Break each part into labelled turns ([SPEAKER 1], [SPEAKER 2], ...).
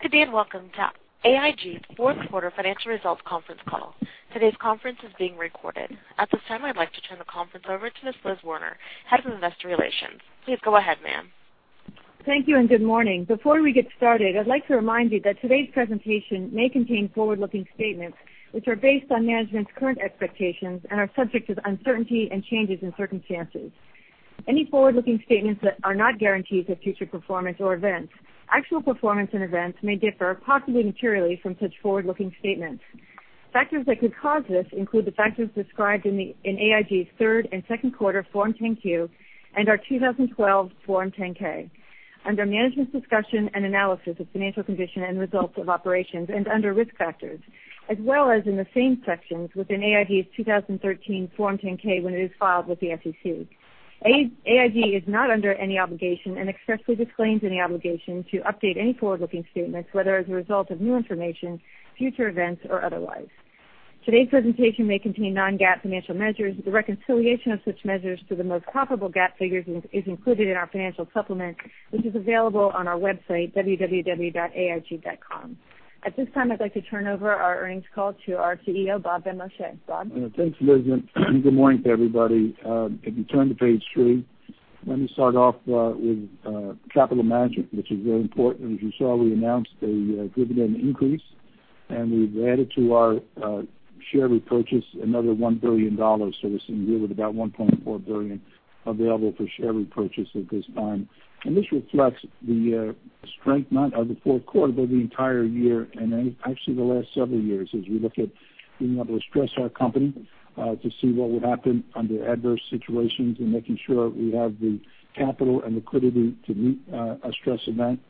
[SPEAKER 1] Good day and welcome to AIG Fourth Quarter Financial Results Conference Call. Today's conference is being recorded. At this time, I'd like to turn the conference over to Ms. Liz Werner, Head of Investor Relations. Please go ahead, ma'am.
[SPEAKER 2] Thank you. Good morning. Before we get started, I'd like to remind you that today's presentation may contain forward-looking statements, which are based on management's current expectations and are subject to uncertainty and changes in circumstances. Any forward-looking statements that are not guarantees of future performance or events. Actual performance and events may differ, possibly materially, from such forward-looking statements. Factors that could cause this include the factors described in AIG's third and second quarter Form 10-Q and our 2012 Form 10-K under Management's Discussion and Analysis of Financial Condition and Results of Operations and under Risk Factors, as well as in the same sections within AIG's 2013 Form 10-K when it is filed with the SEC. AIG is not under any obligation and expressly disclaims any obligation to update any forward-looking statements, whether as a result of new information, future events, or otherwise. Today's presentation may contain non-GAAP financial measures. The reconciliation of such measures to the most comparable GAAP figures is included in our financial supplement, which is available on our website, www.aig.com. At this time, I'd like to turn over our earnings call to our CEO, Bob Benmosche. Bob?
[SPEAKER 3] Thanks, Liz. Good morning to everybody. If you turn to page three, let me start off with capital management, which is very important. As you saw, we announced a dividend increase, and we've added to our share repurchase another $1 billion, so we're sitting here with about $1.4 billion available for share repurchase at this time. This reflects the strength, not of the fourth quarter, but the entire year and actually the last several years as we look at being able to stress our company to see what would happen under adverse situations and making sure we have the capital and liquidity to meet a stress event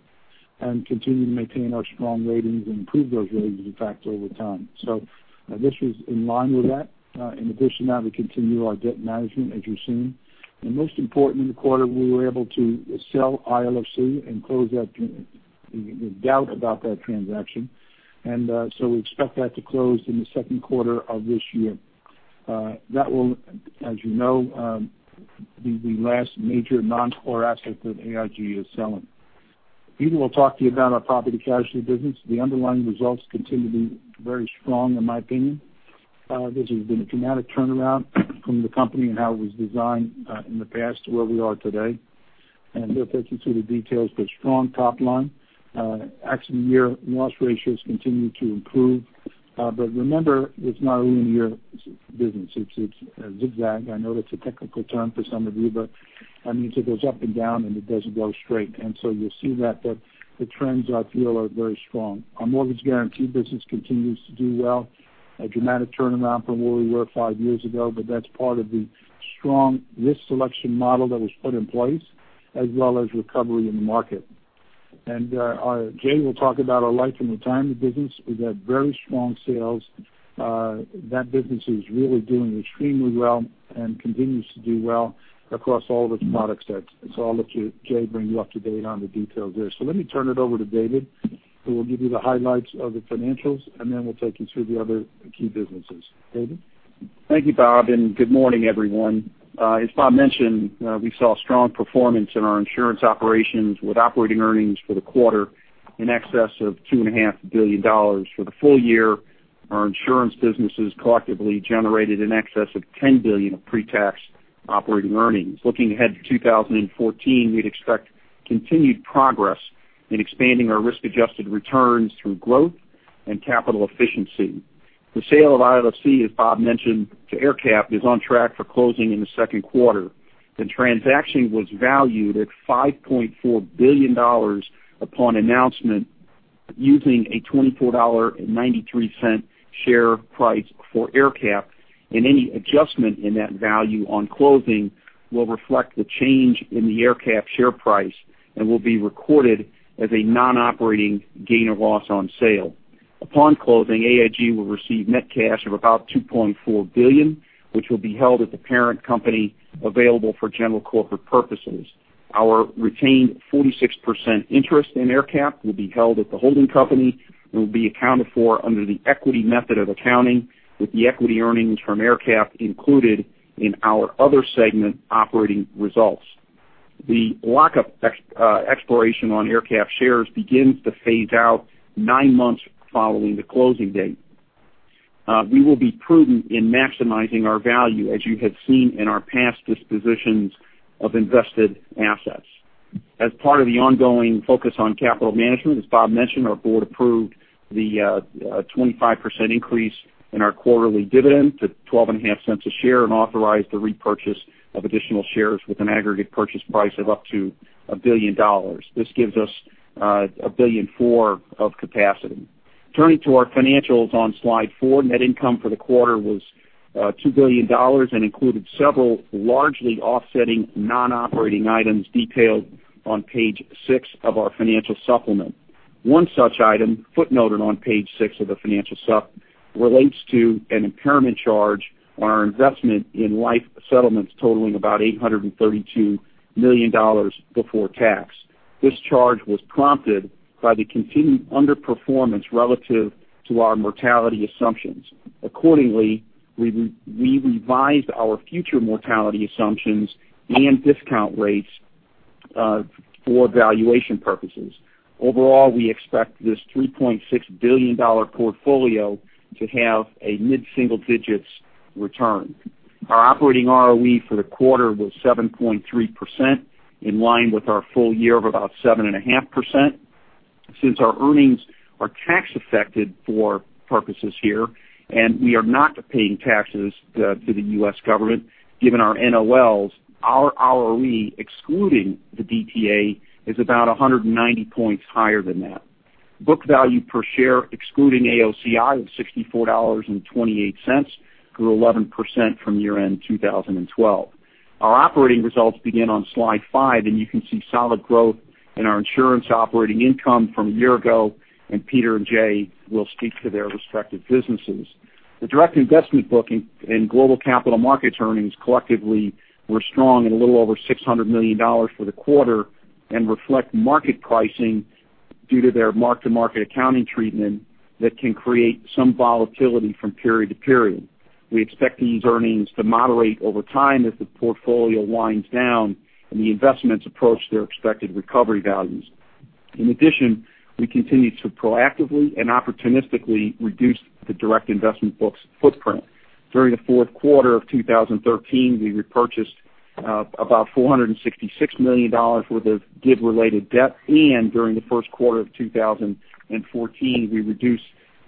[SPEAKER 3] and continue to maintain our strong ratings and improve those ratings, in fact, over time. This was in line with that. In addition to that, we continue our debt management, as you've seen. Most important in the quarter, we were able to sell ILFC and close out the doubt about that transaction. We expect that to close in the second quarter of this year. That will, as you know, be the last major non-core asset that AIG is selling. Peter will talk to you about our Property Casualty business. The underlying results continue to be very strong, in my opinion. This has been a dramatic turnaround from the company and how it was designed in the past to where we are today. He'll take you through the details, but strong top line. Accident year loss ratios continue to improve. Remember, it's not only in your business, it's a zigzag. I know that's a technical term for some of you, but that means it goes up and down and it doesn't go straight. You'll see that the trends, I feel, are very strong. Our Mortgage Guaranty business continues to do well. A dramatic turnaround from where we were five years ago, but that's part of the strong risk selection model that was put in place, as well as recovery in the market. Jay will talk about our AIG Life and Retirement business. We've had very strong sales. That business is really doing extremely well and continues to do well across all of its product sets. I'll let Jay bring you up to date on the details there. Let me turn it over to David, who will give you the highlights of the financials, and then we'll take you through the other key businesses. David?
[SPEAKER 4] Thank you, Bob, and good morning, everyone. As Bob mentioned, we saw strong performance in our insurance operations with operating earnings for the quarter in excess of $2.5 billion. For the full year, our insurance businesses collectively generated in excess of $10 billion of pre-tax operating earnings. Looking ahead to 2014, we'd expect continued progress in expanding our risk-adjusted returns through growth and capital efficiency. The sale of ILFC, as Bob mentioned, to AerCap, is on track for closing in the second quarter. The transaction was valued at $5.4 billion upon announcement using a $24.93 share price for AerCap, and any adjustment in that value on closing will reflect the change in the AerCap share price and will be recorded as a non-operating gain or loss on sale. Upon closing, AIG will receive net cash of about $2.4 billion, which will be held at the parent company available for general corporate purposes. Our retained 46% interest in AerCap will be held at the holding company and will be accounted for under the equity method of accounting, with the equity earnings from AerCap included in our other segment operating results. The lockup expiration on AerCap shares begins to phase out nine months following the closing date. We will be prudent in maximizing our value, as you have seen in our past dispositions of invested assets. As part of the ongoing focus on capital management, as Bob mentioned, our board approved the 25% increase in our quarterly dividend to $0.125 a share and authorized the repurchase of additional shares with an aggregate purchase price of up to $1 billion. This gives us $1.4 billion of capacity. Turning to our financials on slide four, net income for the quarter was $2 billion and included several largely offsetting non-operating items detailed on page six of our financial supplement. One such item, footnoted on page six of the financial supplement, relates to an impairment charge on our investment in life settlements totaling about $832 million before tax. This charge was prompted by the continued underperformance relative to our mortality assumptions. Accordingly, we revised our future mortality assumptions and discount rates for valuation purposes. Overall, we expect this $3.6 billion portfolio to have a mid-single digits return. Our operating ROE for the quarter was 7.3%, in line with our full year of about 7.5%. Since our earnings are tax affected for purposes here, and we are not paying taxes to the U.S. government, given our NOLs, our ROE excluding the DTA is about 190 points higher than that. Book value per share excluding AOCI was $64.28, grew 11% from year-end 2012. Our operating results begin on slide five, and you can see solid growth in our insurance operating income from a year ago, and Peter and Jay will speak to their respective businesses. The direct investment book and global capital markets earnings collectively were strong at a little over $600 million for the quarter and reflect market pricing due to their mark-to-market accounting treatment that can create some volatility from period to period. We expect these earnings to moderate over time as the portfolio winds down and the investments approach their expected recovery values. In addition, we continue to proactively and opportunistically reduce the direct investment book's footprint. During the fourth quarter of 2013, we repurchased about $466 million worth of DIB-related debt, and during the first quarter of 2014, we reduced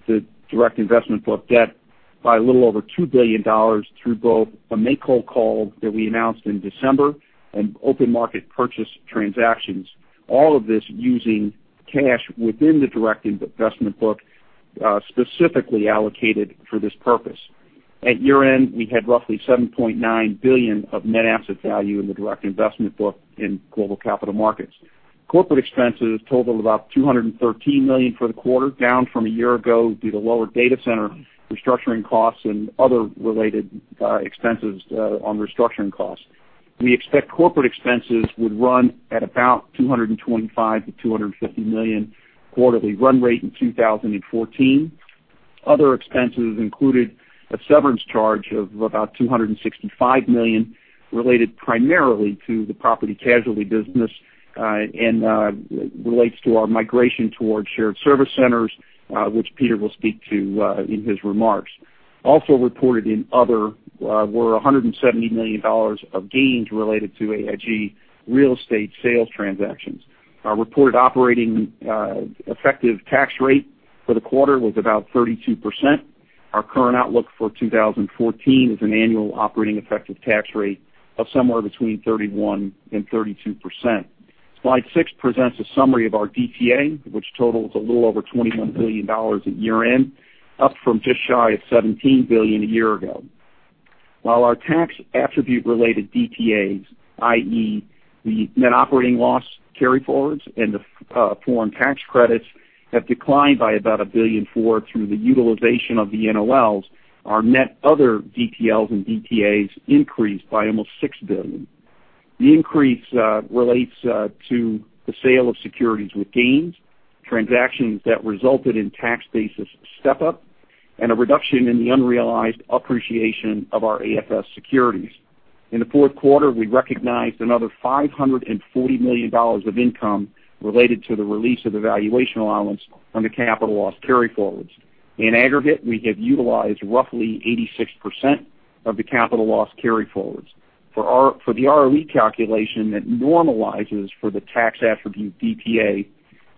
[SPEAKER 4] the direct investment book debt by a little over $2 billion through both a MACO call that we announced in December and open market purchase transactions. All of this using cash within the direct investment book, specifically allocated for this purpose. At year-end, we had roughly $7.9 billion of net asset value in the direct investment book in global capital markets. Corporate expenses totaled about $213 million for the quarter, down from a year ago due to lower data center restructuring costs and other related expenses on restructuring costs. We expect corporate expenses would run at about $225 million-$250 million quarterly run rate in 2014. Other expenses included a severance charge of about $265 million, related primarily to the Property Casualty business, and relates to our migration towards shared service centers, which Peter will speak to in his remarks. Also reported in other were $170 million of gains related to AIG real estate sales transactions. Our reported operating effective tax rate for the quarter was about 32%. Our current outlook for 2014 is an annual operating effective tax rate of somewhere between 31%-32%. Slide six presents a summary of our DTA, which totals a little over $21 billion at year-end, up from just shy of $17 billion a year ago. While our tax attribute related DTAs, i.e., the net operating loss carryforwards and the foreign tax credits, have declined by about a billion through the utilization of the NOLs, our net other DTLs and DTAs increased by almost $6 billion. The increase relates to the sale of securities with gains, transactions that resulted in tax basis step-up, and a reduction in the unrealized appreciation of our AFS securities. In the fourth quarter, we recognized another $540 million of income related to the release of the valuation allowance on the capital loss carryforwards. In aggregate, we have utilized roughly 86% of the capital loss carryforwards. For the ROE calculation that normalizes for the tax attribute DTA,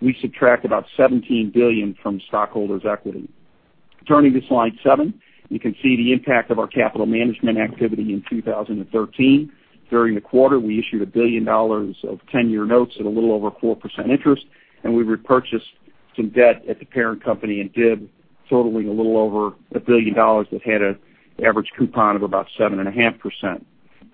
[SPEAKER 4] we subtract about $17 billion from stockholders' equity. Turning to slide seven, you can see the impact of our capital management activity in 2013. During the quarter, we issued $1 billion of 10-year notes at a little over 4% interest, and we repurchased some debt at the parent company in DIB totaling a little over $1 billion that had an average coupon of about 7.5%.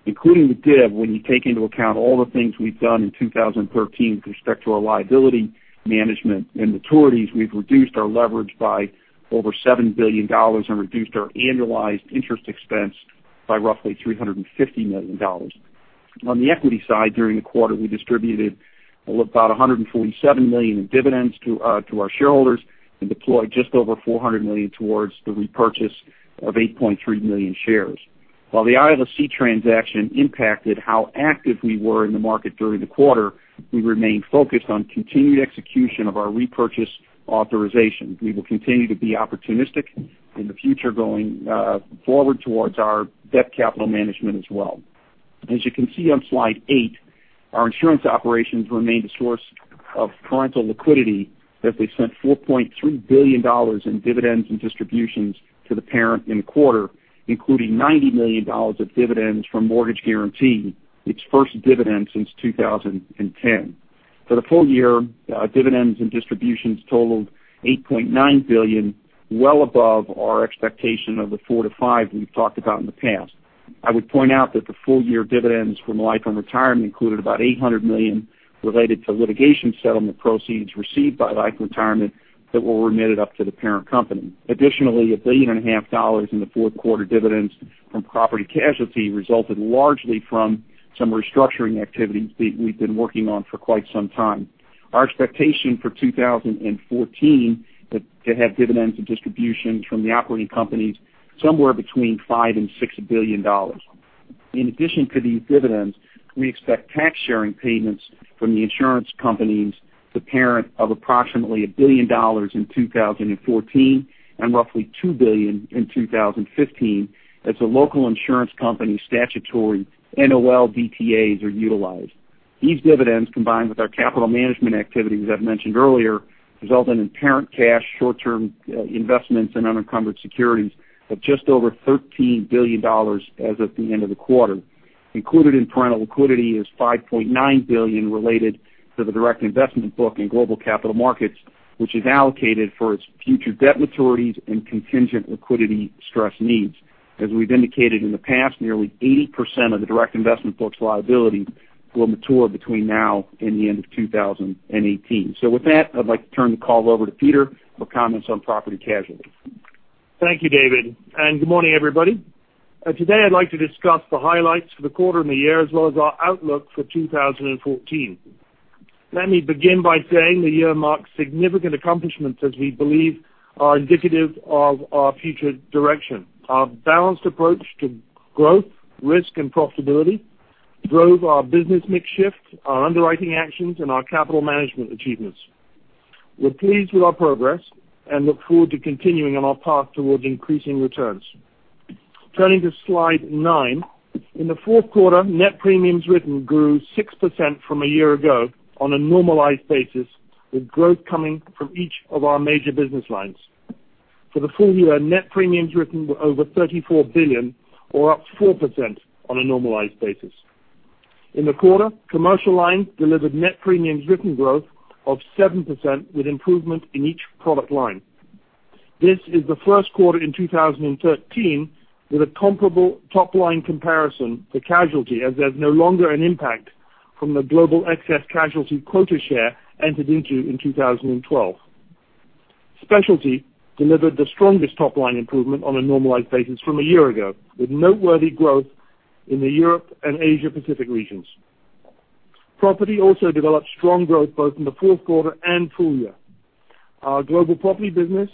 [SPEAKER 4] Including the DIB, when you take into account all the things we've done in 2013 with respect to our liability management and maturities, we've reduced our leverage by over $7 billion and reduced our annualized interest expense by roughly $350 million. On the equity side, during the quarter, we distributed about $147 million in dividends to our shareholders and deployed just over $400 million towards the repurchase of 8.3 million shares. While the ILFC transaction impacted how active we were in the market during the quarter, we remain focused on continued execution of our repurchase authorization. We will continue to be opportunistic in the future going forward towards our debt capital management as well. As you can see on slide eight, our insurance operations remain the source of parental liquidity as they sent $4.3 billion in dividends and distributions to the parent in the quarter, including $90 million of dividends from Mortgage Guaranty, its first dividend since 2010. For the full year, dividends and distributions totaled $8.9 billion, well above our expectation of the 4 to 5 we've talked about in the past. I would point out that the full-year dividends from AIG Life & Retirement included about $800 million related to litigation settlement proceeds received by AIG Life & Retirement that were remitted up to the parent company. Additionally, $1.5 billion in the fourth quarter dividends from AIG Property Casualty resulted largely from some restructuring activities that we've been working on for quite some time. Our expectation for 2014 to have dividends and distributions from the operating companies somewhere between $5 billion and $6 billion. In addition to these dividends, we expect tax-sharing payments from the insurance companies to parent of approximately $1 billion in 2014 and roughly $2 billion in 2015 as the local insurance company statutory NOL DTAs are utilized. These dividends, combined with our capital management activities I've mentioned earlier, resulting in parent cash short-term investments in unencumbered securities of just over $13 billion as of the end of the quarter. Included in parental liquidity is $5.9 billion related to the direct investment book in global capital markets, which is allocated for its future debt maturities and contingent liquidity stress needs. As we've indicated in the past, nearly 80% of the direct investment book's liability will mature between now and the end of 2018. With that, I'd like to turn the call over to Peter for comments on property casualty.
[SPEAKER 5] Thank you, David, and good morning, everybody. Today, I'd like to discuss the highlights for the quarter and the year as well as our outlook for 2014. Let me begin by saying the year marks significant accomplishments as we believe are indicative of our future direction. Our balanced approach to growth, risk, and profitability drove our business mix shift, our underwriting actions, and our capital management achievements. We're pleased with our progress and look forward to continuing on our path towards increasing returns. Turning to slide nine. In the fourth quarter, net premiums written grew 6% from a year ago on a normalized basis, with growth coming from each of our major business lines. For the full year, net premiums written were over $34 billion or up 4% on a normalized basis. In the quarter, Commercial Line delivered net premiums written growth of 7% with improvement in each product line. This is the first quarter in 2013 with a comparable top-line comparison to casualty, as there's no longer an impact from the global excess casualty quota share entered into in 2012. Specialty delivered the strongest top-line improvement on a normalized basis from a year ago, with noteworthy growth in the Europe and Asia Pacific regions. Property also developed strong growth both in the fourth quarter and full year. Our global property business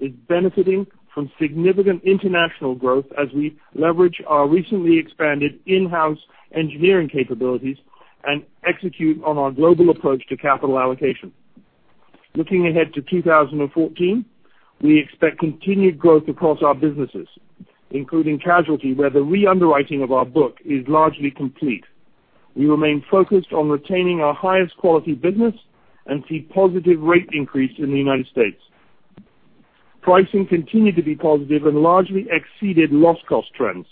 [SPEAKER 5] is benefiting from significant international growth as we leverage our recently expanded in-house engineering capabilities and execute on our global approach to capital allocation. Looking ahead to 2014, we expect continued growth across our businesses, including casualty, where the re-underwriting of our book is largely complete. We remain focused on retaining our highest quality business and see positive rate increase in the United States. Pricing continued to be positive and largely exceeded loss cost trends.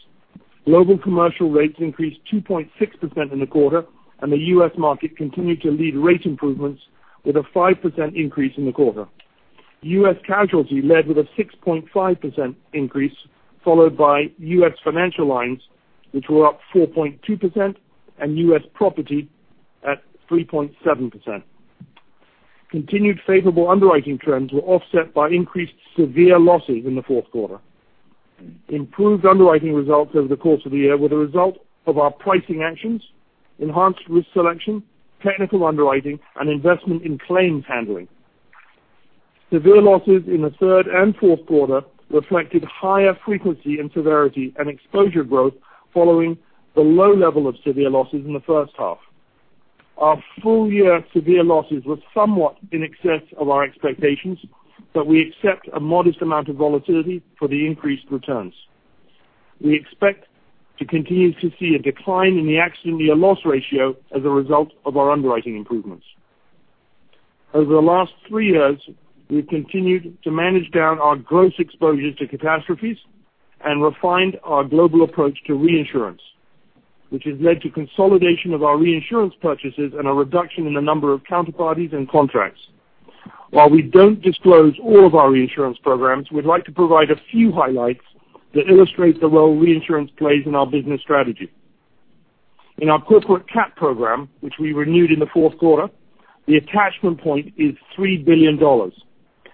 [SPEAKER 5] Global commercial rates increased 2.6% in the quarter. The U.S. market continued to lead rate improvements with a 5% increase in the quarter. U.S. casualty led with a 6.5% increase, followed by U.S. Financial lines, which were up 4.2%, and U.S. property at 3.7%. Continued favorable underwriting trends were offset by increased severe losses in the fourth quarter. Improved underwriting results over the course of the year were the result of our pricing actions, enhanced risk selection, technical underwriting, and investment in claims handling. Severe losses in the third and fourth quarter reflected higher frequency and severity and exposure growth following the low level of severe losses in the first half. Our full-year severe losses were somewhat in excess of our expectations. We accept a modest amount of volatility for the increased returns. We expect to continue to see a decline in the accident year loss ratio as a result of our underwriting improvements. Over the last three years, we've continued to manage down our gross exposures to catastrophes and refined our global approach to reinsurance, which has led to consolidation of our reinsurance purchases and a reduction in the number of counterparties and contracts. While we don't disclose all of our reinsurance programs, we'd like to provide a few highlights that illustrate the role reinsurance plays in our business strategy. In our corporate cat program, which we renewed in the fourth quarter, the attachment point is $3 billion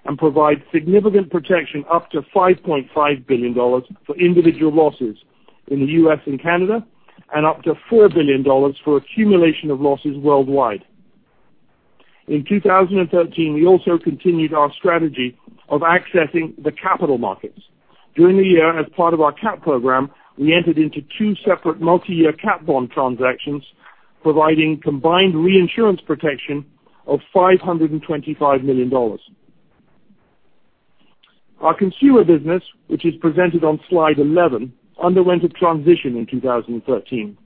[SPEAKER 5] and provides significant protection up to $5.5 billion for individual losses in the U.S. and Canada and up to $4 billion for accumulation of losses worldwide. In 2013, we also continued our strategy of accessing the capital markets. During the year as part of our cat program, we entered into two separate multi-year cat bond transactions, providing combined reinsurance protection of $525 million. Our consumer business, which is presented on slide 11, underwent a transition in 2013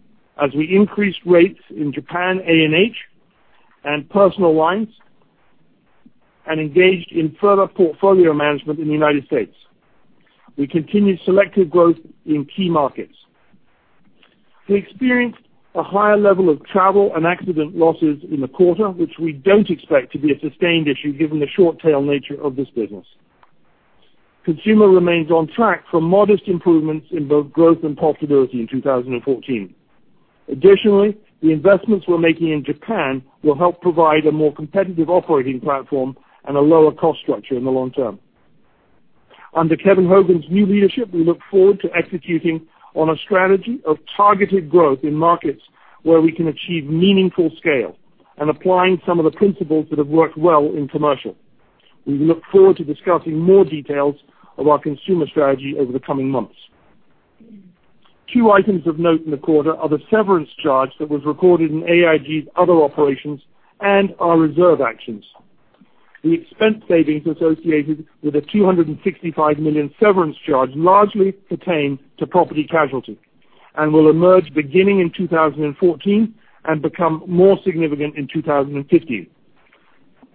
[SPEAKER 5] as we increased rates in Japan A&H and personal lines and engaged in further portfolio management in the United States. We continued selective growth in key markets. We experienced a higher level of travel and accident losses in the quarter, which we don't expect to be a sustained issue given the short tail nature of this business. Consumer remains on track for modest improvements in both growth and profitability in 2014. Additionally, the investments we're making in Japan will help provide a more competitive operating platform and a lower cost structure in the long term. Under Kevin Hogan's new leadership, we look forward to executing on a strategy of targeted growth in markets where we can achieve meaningful scale and applying some of the principles that have worked well in commercial. We look forward to discussing more details of our consumer strategy over the coming months. Two items of note in the quarter are the severance charge that was recorded in AIG's other operations and our reserve actions. The expense savings associated with the $265 million severance charge largely pertain to Property Casualty and will emerge beginning in 2014 and become more significant in 2015.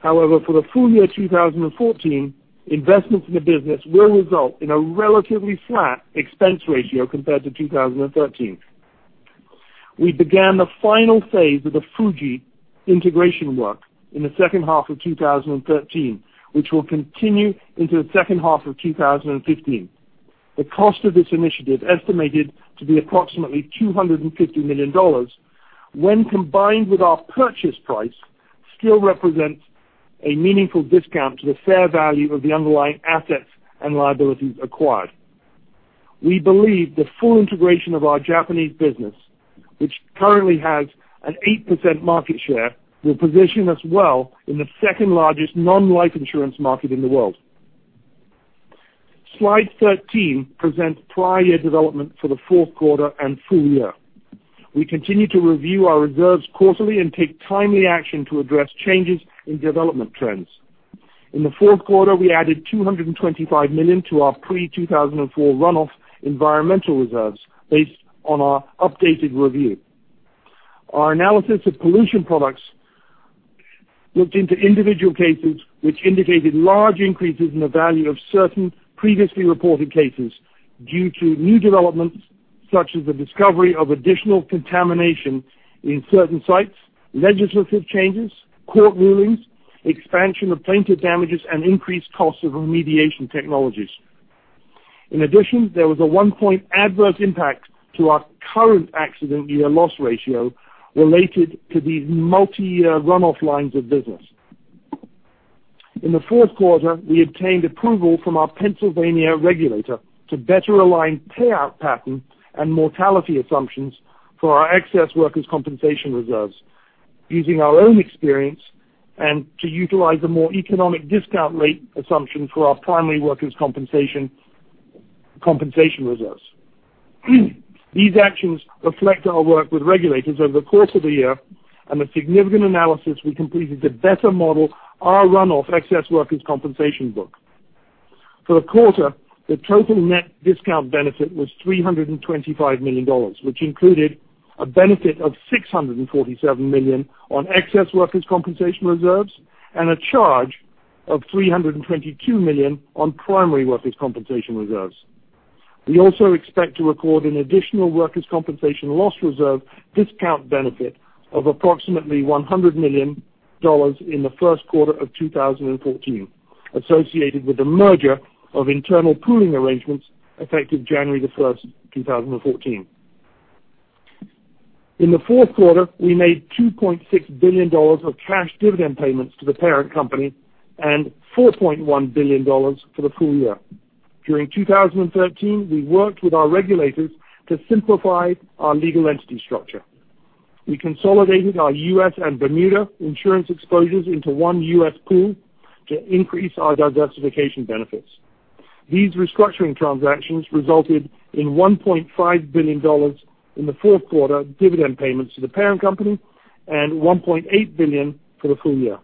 [SPEAKER 5] For the full year 2014, investments in the business will result in a relatively flat expense ratio compared to 2013. We began the final phase of the Fuji integration work in the second half of 2013, which will continue into the second half of 2015. The cost of this initiative, estimated to be approximately $250 million, when combined with our purchase price, still represents a meaningful discount to the fair value of the underlying assets and liabilities acquired. We believe the full integration of our Japanese business, which currently has an 8% market share, will position us well in the second-largest non-life insurance market in the world. Slide 13 presents prior year development for the fourth quarter and full year. We continue to review our reserves quarterly and take timely action to address changes in development trends. In the fourth quarter, we added $225 million to our pre-2004 runoff environmental reserves based on our updated review. Our analysis of pollution products looked into individual cases which indicated large increases in the value of certain previously reported cases due to new developments, such as the discovery of additional contamination in certain sites, legislative changes, court rulings, expansion of plaintiff damages, and increased costs of remediation technologies. In addition, there was a one-point adverse impact to our current accident year loss ratio related to these multi-year runoff lines of business. In the fourth quarter, we obtained approval from our Pennsylvania regulator to better align payout patterns and mortality assumptions for our excess workers' compensation reserves using our own experience and to utilize a more economic discount rate assumption for our primary workers' compensation reserves. These actions reflect our work with regulators over the course of the year and the significant analysis we completed to better model our runoff excess workers' compensation book. For the quarter, the total net discount benefit was $325 million, which included a benefit of $647 million on excess workers' compensation reserves and a charge of $322 million on primary workers' compensation reserves. We also expect to record an additional workers' compensation loss reserve discount benefit of approximately $100 million in the first quarter of 2014, associated with the merger of internal pooling arrangements effective January 1st, 2014. In the fourth quarter, we made $2.6 billion of cash dividend payments to the parent company and $4.1 billion for the full year. During 2013, we worked with our regulators to simplify our legal entity structure. We consolidated our U.S. and Bermuda insurance exposures into one U.S. pool to increase our diversification benefits. These restructuring transactions resulted in $1.5 billion in the fourth quarter dividend payments to the parent company and $1.8 billion for the full year.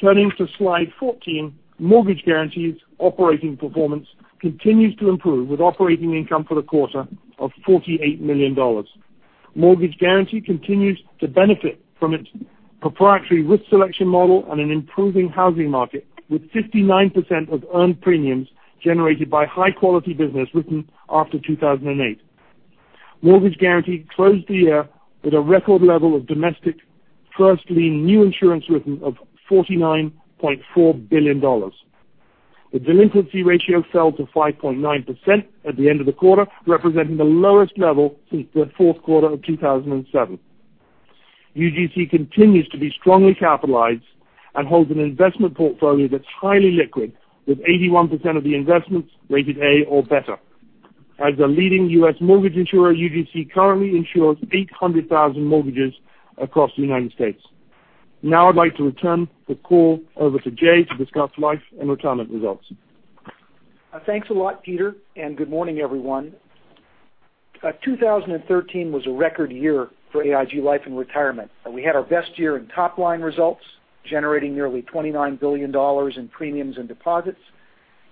[SPEAKER 5] Turning to slide 14, Mortgage Guaranty's operating performance continues to improve with operating income for the quarter of $48 million. Mortgage Guaranty continues to benefit from its proprietary risk selection model and an improving housing market, with 59% of earned premiums generated by high-quality business written after 2008. Mortgage Guaranty closed the year with a record level of domestic first lien new insurance written of $49.4 billion. The delinquency ratio fell to 5.9% at the end of the quarter, representing the lowest level since the fourth quarter of 2007. UGC continues to be strongly capitalized and holds an investment portfolio that's highly liquid, with 81% of the investments rated A or better. As a leading U.S. mortgage insurer, UGC currently insures 800,000 mortgages across the United States. Now I'd like to turn the call over to Jay to discuss AIG Life and Retirement results.
[SPEAKER 6] Thanks a lot, Peter. Good morning, everyone. 2013 was a record year for AIG Life and Retirement. We had our best year in top-line results, generating nearly $29 billion in premiums and deposits,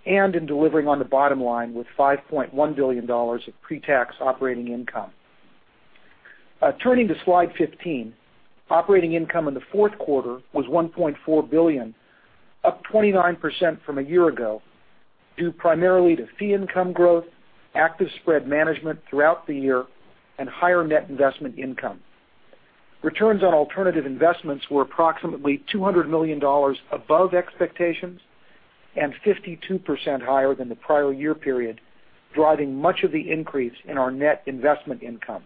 [SPEAKER 6] and in delivering on the bottom line with $5.1 billion of pre-tax operating income. Turning to slide 15. Operating income in the fourth quarter was $1.4 billion, up 29% from a year ago, due primarily to fee income growth, active spread management throughout the year, and higher net investment income. Returns on alternative investments were approximately $200 million above expectations and 52% higher than the prior year period, driving much of the increase in our net investment income.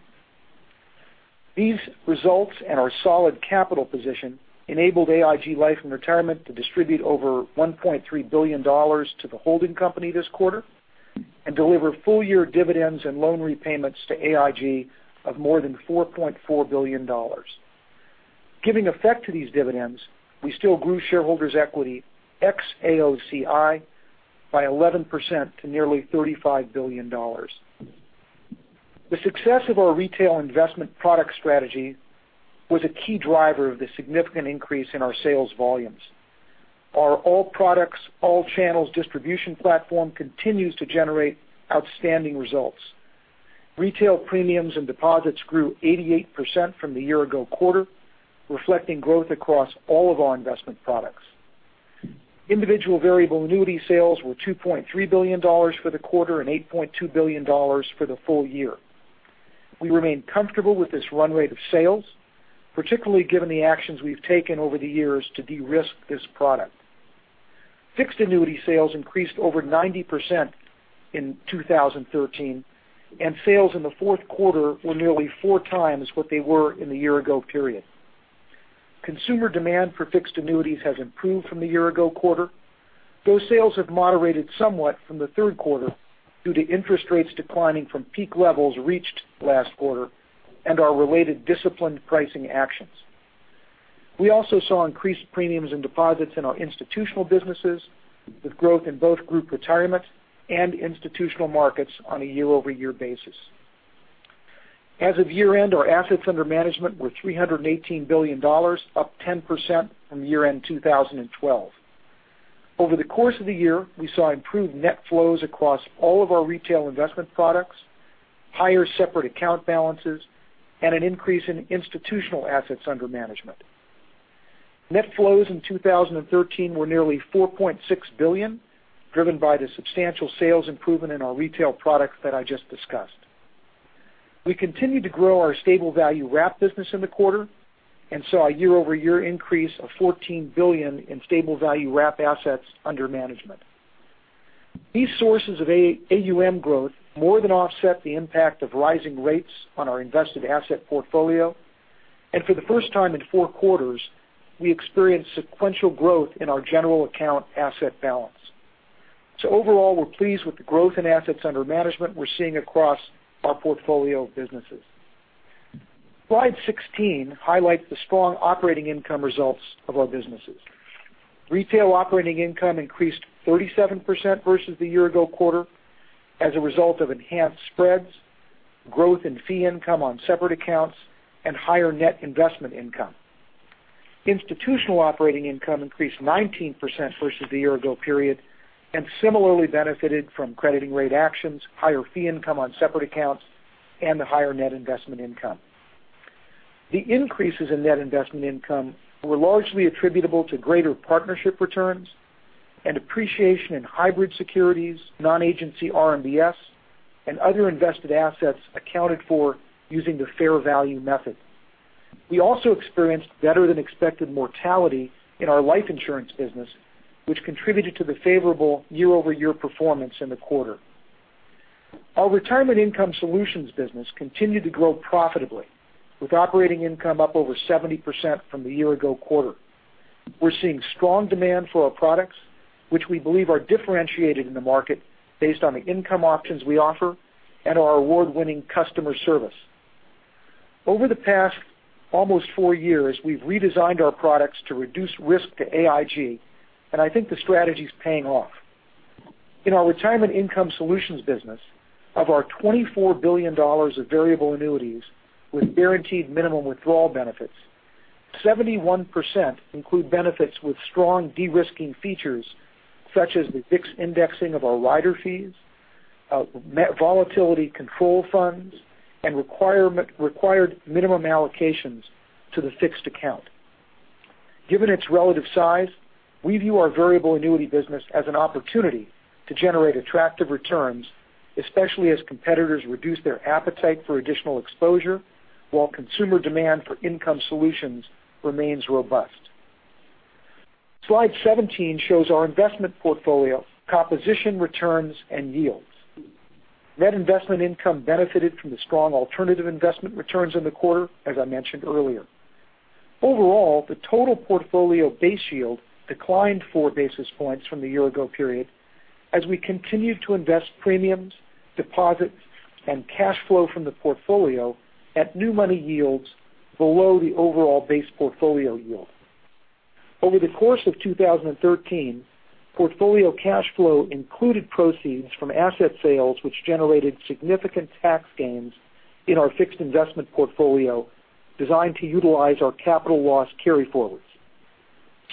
[SPEAKER 6] These results and our solid capital position enabled AIG Life and Retirement to distribute over $1.3 billion to the holding company this quarter and deliver full-year dividends and loan repayments to AIG of more than $4.4 billion. Giving effect to these dividends, we still grew shareholders' equity ex-AOCI by 11% to nearly $35 billion. The success of our retail investment product strategy was a key driver of the significant increase in our sales volumes. Our all products, all channels distribution platform continues to generate outstanding results. Retail premiums and deposits grew 88% from the year ago quarter, reflecting growth across all of our investment products. Individual variable annuity sales were $2.3 billion for the quarter and $8.2 billion for the full year. We remain comfortable with this run rate of sales, particularly given the actions we've taken over the years to de-risk this product. Fixed annuity sales increased over 90% in 2013, and sales in the fourth quarter were nearly four times what they were in the year ago period. Consumer demand for fixed annuities has improved from the year ago quarter. Those sales have moderated somewhat from the third quarter due to interest rates declining from peak levels reached last quarter and our related disciplined pricing actions. We also saw increased premiums and deposits in our institutional businesses, with growth in both group retirement and institutional markets on a year-over-year basis. As of year-end, our assets under management were $318 billion, up 10% from year-end 2012. Over the course of the year, we saw improved net flows across all of our retail investment products, higher separate account balances, and an increase in institutional assets under management. Net flows in 2013 were nearly $4.6 billion, driven by the substantial sales improvement in our retail products that I just discussed. We continued to grow our stable value wrap business in the quarter and saw a year-over-year increase of $14 billion in stable value wrap assets under management. These sources of AUM growth more than offset the impact of rising rates on our invested asset portfolio, and for the first time in four quarters, we experienced sequential growth in our general account asset balance. Overall, we're pleased with the growth in assets under management we're seeing across our portfolio of businesses. Slide 16 highlights the strong operating income results of our businesses. Retail operating income increased 37% versus the year ago quarter as a result of enhanced spreads, growth in fee income on separate accounts, and higher net investment income. Institutional operating income increased 19% versus the year ago period and similarly benefited from crediting rate actions, higher fee income on separate accounts, and the higher net investment income. The increases in net investment income were largely attributable to greater partnership returns and appreciation in hybrid securities, non-agency RMBS, and other invested assets accounted for using the fair value method. We also experienced better than expected mortality in our life insurance business, which contributed to the favorable year-over-year performance in the quarter. Our retirement income solutions business continued to grow profitably, with operating income up over 70% from the year ago quarter. We're seeing strong demand for our products, which we believe are differentiated in the market based on the income options we offer and our award-winning customer service. Over the past almost four years, we've redesigned our products to reduce risk to AIG. I think the strategy is paying off. In our retirement income solutions business, of our $24 billion of variable annuities with guaranteed minimum withdrawal benefits, 71% include benefits with strong de-risking features, such as the fixed indexing of our rider fees, volatility control funds, and required minimum allocations to the fixed account. Given its relative size, we view our variable annuity business as an opportunity to generate attractive returns, especially as competitors reduce their appetite for additional exposure while consumer demand for income solutions remains robust. Slide 17 shows our investment portfolio composition returns and yields. Net investment income benefited from the strong alternative investment returns in the quarter, as I mentioned earlier. Overall, the total portfolio base yield declined four basis points from the year-ago period as we continued to invest premiums, deposits, and cash flow from the portfolio at new money yields below the overall base portfolio yield. Over the course of 2013, portfolio cash flow included proceeds from asset sales, which generated significant tax gains in our fixed investment portfolio designed to utilize our capital loss carryforwards.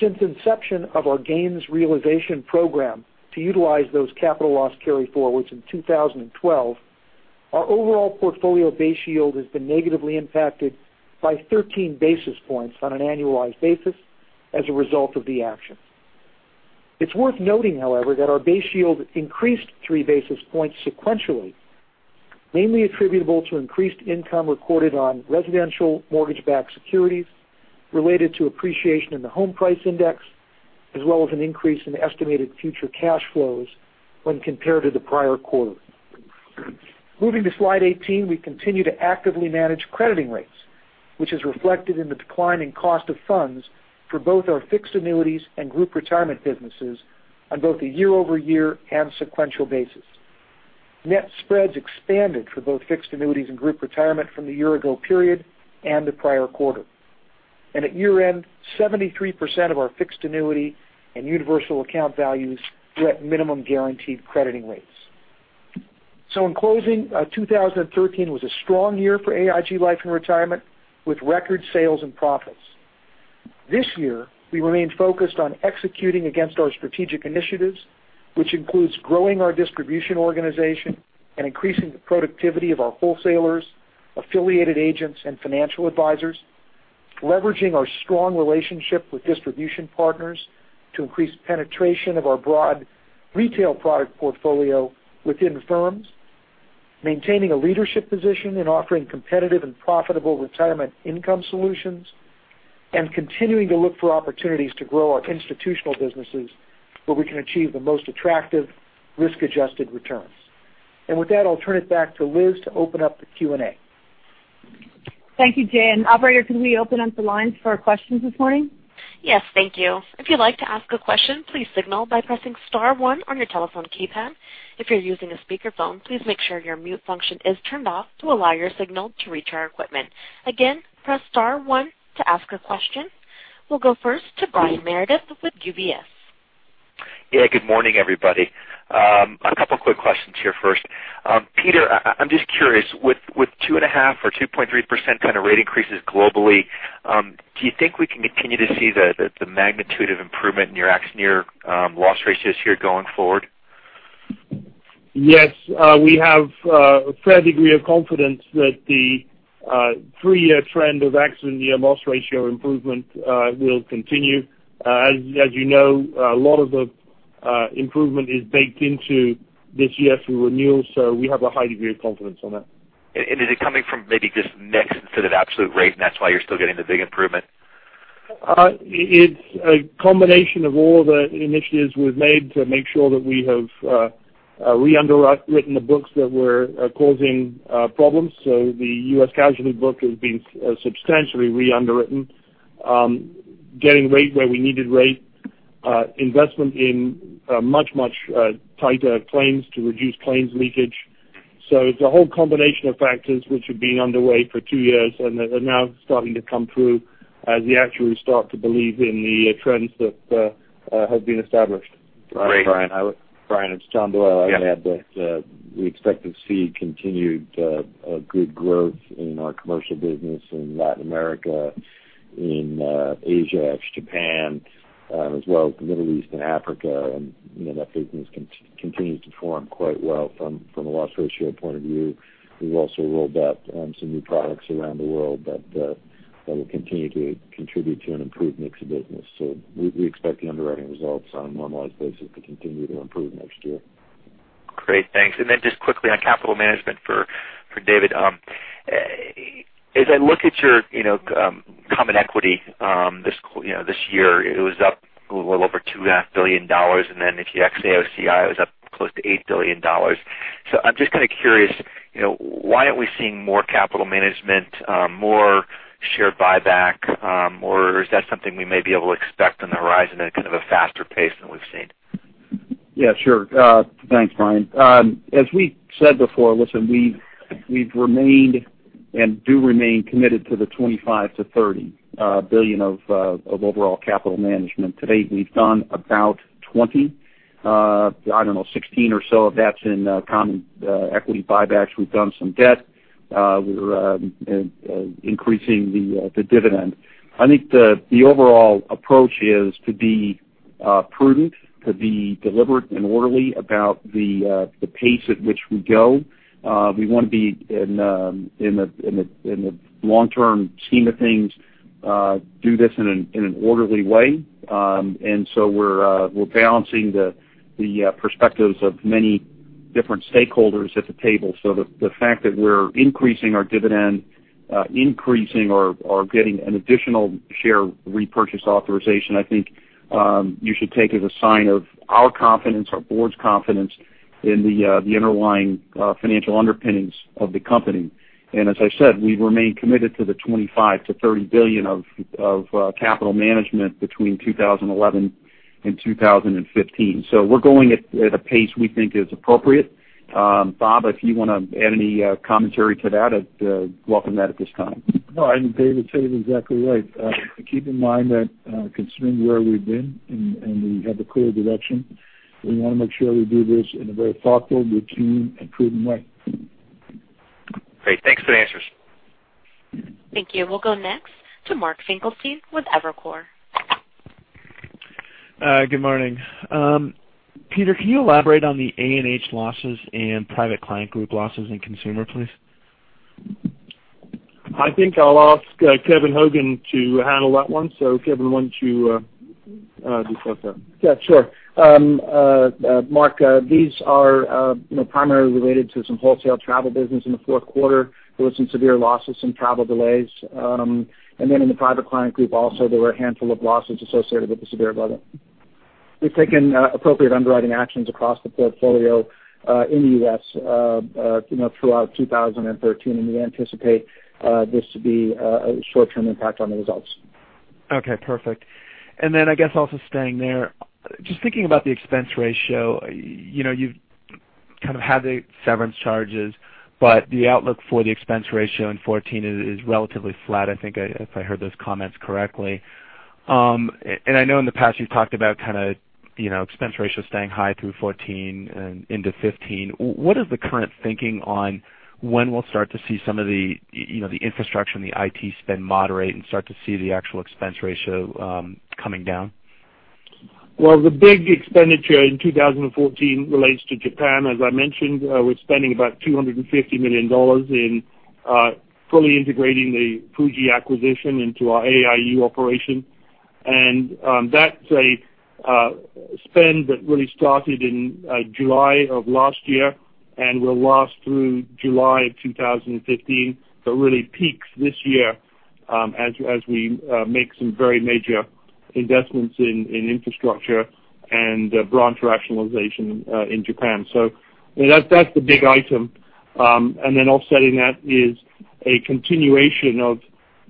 [SPEAKER 6] Since inception of our gains realization program to utilize those capital loss carryforwards in 2012, our overall portfolio base yield has been negatively impacted by 13 basis points on an annualized basis as a result of the action. It's worth noting, however, that our base yield increased three basis points sequentially, mainly attributable to increased income recorded on residential mortgage-backed securities related to appreciation in the home price index as well as an increase in estimated future cash flows when compared to the prior quarter. Moving to slide 18, we continue to actively manage crediting rates, which is reflected in the decline in cost of funds for both our fixed annuities and group retirement businesses on both a year-over-year and sequential basis. Net spreads expanded for both fixed annuities and group retirement from the year-ago period and the prior quarter. At year-end, 73% of our fixed annuity and universal account values were at minimum guaranteed crediting rates. In closing, 2013 was a strong year for AIG Life and Retirement, with record sales and profits. This year, we remain focused on executing against our strategic initiatives, which includes growing our distribution organization and increasing the productivity of our wholesalers, affiliated agents, and financial advisors. Leveraging our strong relationship with distribution partners to increase penetration of our broad retail product portfolio within firms, maintaining a leadership position in offering competitive and profitable retirement income solutions, and continuing to look for opportunities to grow our institutional businesses where we can achieve the most attractive risk-adjusted returns. With that, I'll turn it back to Liz to open up the Q&A.
[SPEAKER 2] Thank you, Jay. Operator, can we open up the lines for questions this morning?
[SPEAKER 1] Yes, thank you. If you'd like to ask a question, please signal by pressing *1 on your telephone keypad. If you're using a speakerphone, please make sure your mute function is turned off to allow your signal to reach our equipment. Again, press *1 to ask a question. We'll go first to Brian Meredith with UBS.
[SPEAKER 7] Yeah. Good morning, everybody. A couple quick questions here. First, Peter, I'm just curious, with 2.5% or 2.3% kind of rate increases globally, do you think we can continue to see the magnitude of improvement in your accident year loss ratios here going forward?
[SPEAKER 5] Yes, we have a fair degree of confidence that the three-year trend of accident year loss ratio improvement will continue. As you know, a lot of the improvement is baked into this year through renewals, we have a high degree of confidence on that.
[SPEAKER 7] Is it coming from maybe just mix instead of absolute rate, and that's why you're still getting the big improvement?
[SPEAKER 5] It's a combination of all the initiatives we've made to make sure that we have re-underwritten the books that were causing problems. The U.S. casualty book has been substantially re-underwritten, getting rate where we needed rate, investment in much tighter claims to reduce claims leakage. It's a whole combination of factors which have been underway for 2 years and are now starting to come through as the actuaries start to believe in the trends that have been established.
[SPEAKER 7] Great.
[SPEAKER 8] Brian, it's John Boyle.
[SPEAKER 7] Yeah.
[SPEAKER 8] I'd add that we expect to see continued good growth in our commercial business in Latin America, in Asia, ex-Japan, as well as the Middle East and Africa. That business continues to perform quite well from a loss ratio point of view. We've also rolled out some new products around the world that will continue to contribute to an improved mix of business. We expect the underwriting results on a normalized basis to continue to improve next year.
[SPEAKER 7] Great, thanks. Just quickly on capital management for David. As I look at your common equity this year, it was up a little over $2.5 billion. If you exclude AOCI, it was up close to $8 billion. I'm just kind of curious, why aren't we seeing more capital management, more share buyback? Is that something we may be able to expect on the horizon at kind of a faster pace than we've seen?
[SPEAKER 4] Yeah, sure. Thanks, Brian. As we said before, listen, we've remained and do remain committed to the $25 billion-$30 billion of overall capital management. To date, we've done about 20, I don't know, 16 or so of that's in common equity buybacks. We've done some debt. We're increasing the dividend. I think the overall approach is to be prudent, to be deliberate and orderly about the pace at which we go. We want to be in the long-term scheme of things do this in an orderly way. We're balancing the perspectives of many different stakeholders at the table. The fact that we're increasing our dividend, increasing or getting an additional share repurchase authorization, I think you should take as a sign of our confidence, our board's confidence in the underlying financial underpinnings of the company. As I said, we remain committed to the $25 billion-$30 billion of capital management between 2011 and 2015. We're going at a pace we think is appropriate. Bob, if you want to add any commentary to that, I'd welcome that at this time.
[SPEAKER 3] No, I think David said it exactly right. Keep in mind that considering where we've been and we have a clear direction, we want to make sure we do this in a very thoughtful, routine, and prudent way.
[SPEAKER 7] Great. Thanks for the answers.
[SPEAKER 1] Thank you. We'll go next to Mark Finkelstein with Evercore.
[SPEAKER 9] Good morning. Peter, can you elaborate on the A&H losses and Private Client Group losses in consumer, please?
[SPEAKER 5] I think I'll ask Kevin Hogan to handle that one. Kevin, why don't you discuss that?
[SPEAKER 10] Yeah, sure. Mark, these are primarily related to some wholesale travel business in the fourth quarter. There were some severe losses, some travel delays. In the AIG Private Client Group also, there were a handful of losses associated with the severe weather. We've taken appropriate underwriting actions across the portfolio, in the U.S., throughout 2013, we anticipate this to be a short-term impact on the results.
[SPEAKER 9] Okay, perfect. I guess also staying there, just thinking about the expense ratio, you've kind of had the severance charges, but the outlook for the expense ratio in 2014 is relatively flat, I think, if I heard those comments correctly. I know in the past you've talked about expense ratio staying high through 2014 and into 2015. What is the current thinking on when we'll start to see some of the infrastructure and the IT spend moderate and start to see the actual expense ratio coming down?
[SPEAKER 5] Well, the big expenditure in 2014 relates to Japan. As I mentioned, we're spending about $250 million in fully integrating the Fuji acquisition into our AIU operation. That's a spend that really started in July of last year and will last through July of 2015, really peaks this year as we make some very major investments in infrastructure and branch rationalization in Japan. That's the big item. Offsetting that is a continuation of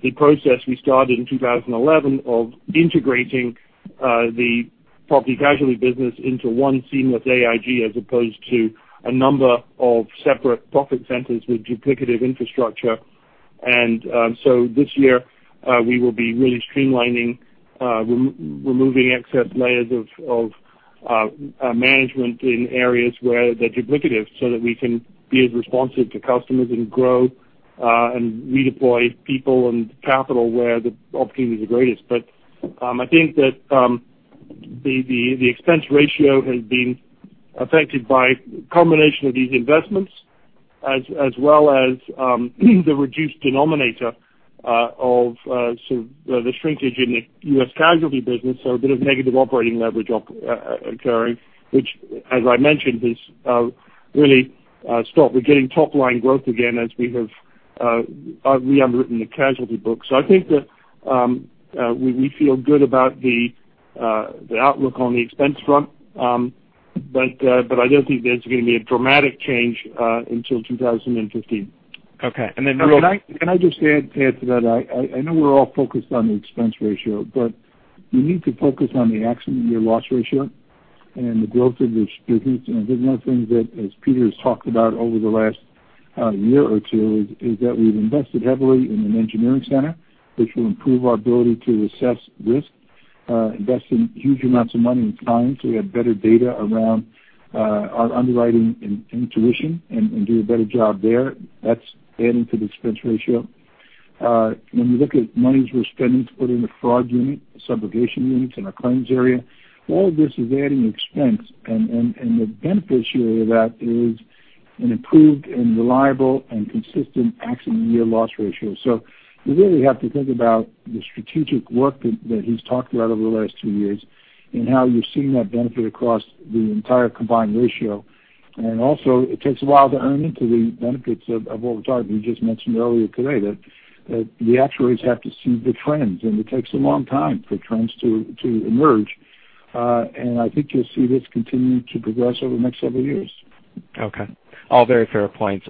[SPEAKER 5] the process we started in 2011 of integrating the property casualty business into one seamless AIG as opposed to a number of separate profit centers with duplicative infrastructure. This year, we will be really streamlining, removing excess layers of management in areas where they're duplicative so that we can be as responsive to customers and grow and redeploy people and capital where the opportunity is the greatest. I think that the expense ratio has been affected by a combination of these investments as well as the reduced denominator of the shrinkage in the U.S. casualty business. A bit of negative operating leverage occurring, which as I mentioned, has really stopped. We're getting top-line growth again as we have reunderwritten the casualty books. I think that we feel good about the outlook on the expense front. I don't think there's going to be a dramatic change until 2015.
[SPEAKER 9] Okay. Real-
[SPEAKER 3] Can I just add to that? I know we're all focused on the expense ratio, you need to focus on the accident year loss ratio and the growth of this business. I think one thing that, as Peter's talked about over the last year or two, is that we've invested heavily in an engineering center, which will improve our ability to assess risk, invest in huge amounts of money and time so we have better data around our underwriting intuition and do a better job there. That's adding to the expense ratio. When you look at monies we're spending to put in the fraud unit, the subrogation units in our claims area, all this is adding expense and the beneficiary of that is an improved and reliable, and consistent accident year loss ratio. You really have to think about the strategic work that he's talked about over the last two years and how you're seeing that benefit across the entire combined ratio. Also, it takes a while to earn into the benefits of what we're talking. You just mentioned earlier today that the actuaries have to see the trends, and it takes a long time for trends to emerge. I think you'll see this continue to progress over the next several years.
[SPEAKER 9] Okay. All very fair points.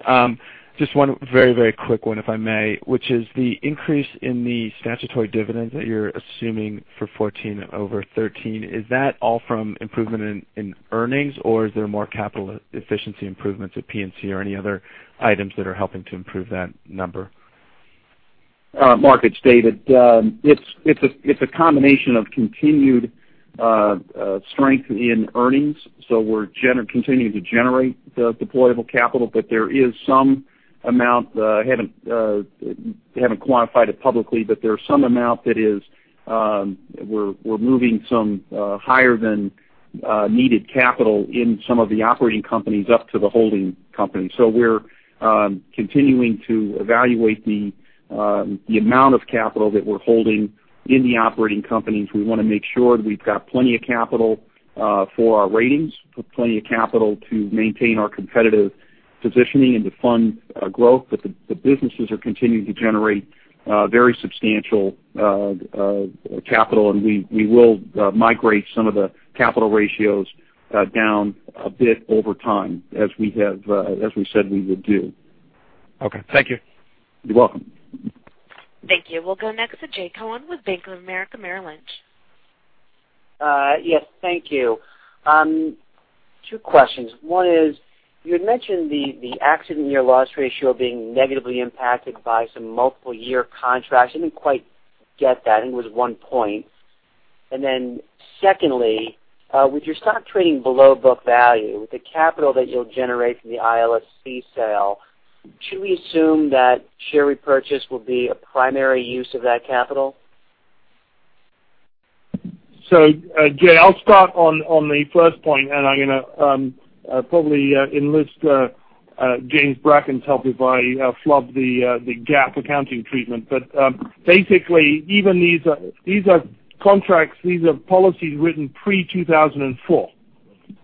[SPEAKER 9] Just one very quick one, if I may, which is the increase in the statutory dividend that you're assuming for 2014 over 2013. Is that all from improvement in earnings, or is there more capital efficiency improvements at P&C or any other items that are helping to improve that number?
[SPEAKER 4] Mark, it's David. It's a combination of continued strength in earnings. We're continuing to generate the deployable capital, there is some amount, they haven't quantified it publicly, there is some amount that we're moving some higher than needed capital in some of the operating companies up to the holding company. We're continuing to evaluate the amount of capital that we're holding in the operating companies. We want to make sure that we've got plenty of capital for our ratings, plenty of capital to maintain our competitive positioning and to fund growth. The businesses are continuing to generate very substantial capital, and we will migrate some of the capital ratios down a bit over time as we said we would do.
[SPEAKER 9] Okay. Thank you.
[SPEAKER 4] You're welcome.
[SPEAKER 1] Thank you. We'll go next to Jay Cohen with Bank of America Merrill Lynch.
[SPEAKER 11] Yes. Thank you. Two questions. One is, you had mentioned the accident year loss ratio being negatively impacted by some multiple year contracts. I didn't quite get that. I think it was one point. Secondly, with your stock trading below book value, with the capital that you'll generate from the ILFC sale, should we assume that share repurchase will be a primary use of that capital?
[SPEAKER 5] Jay, I'll start on the first point, and I'm going to probably enlist James Bracken's help if I flub the GAAP accounting treatment. Basically, these are contracts, these are policies written pre-2004.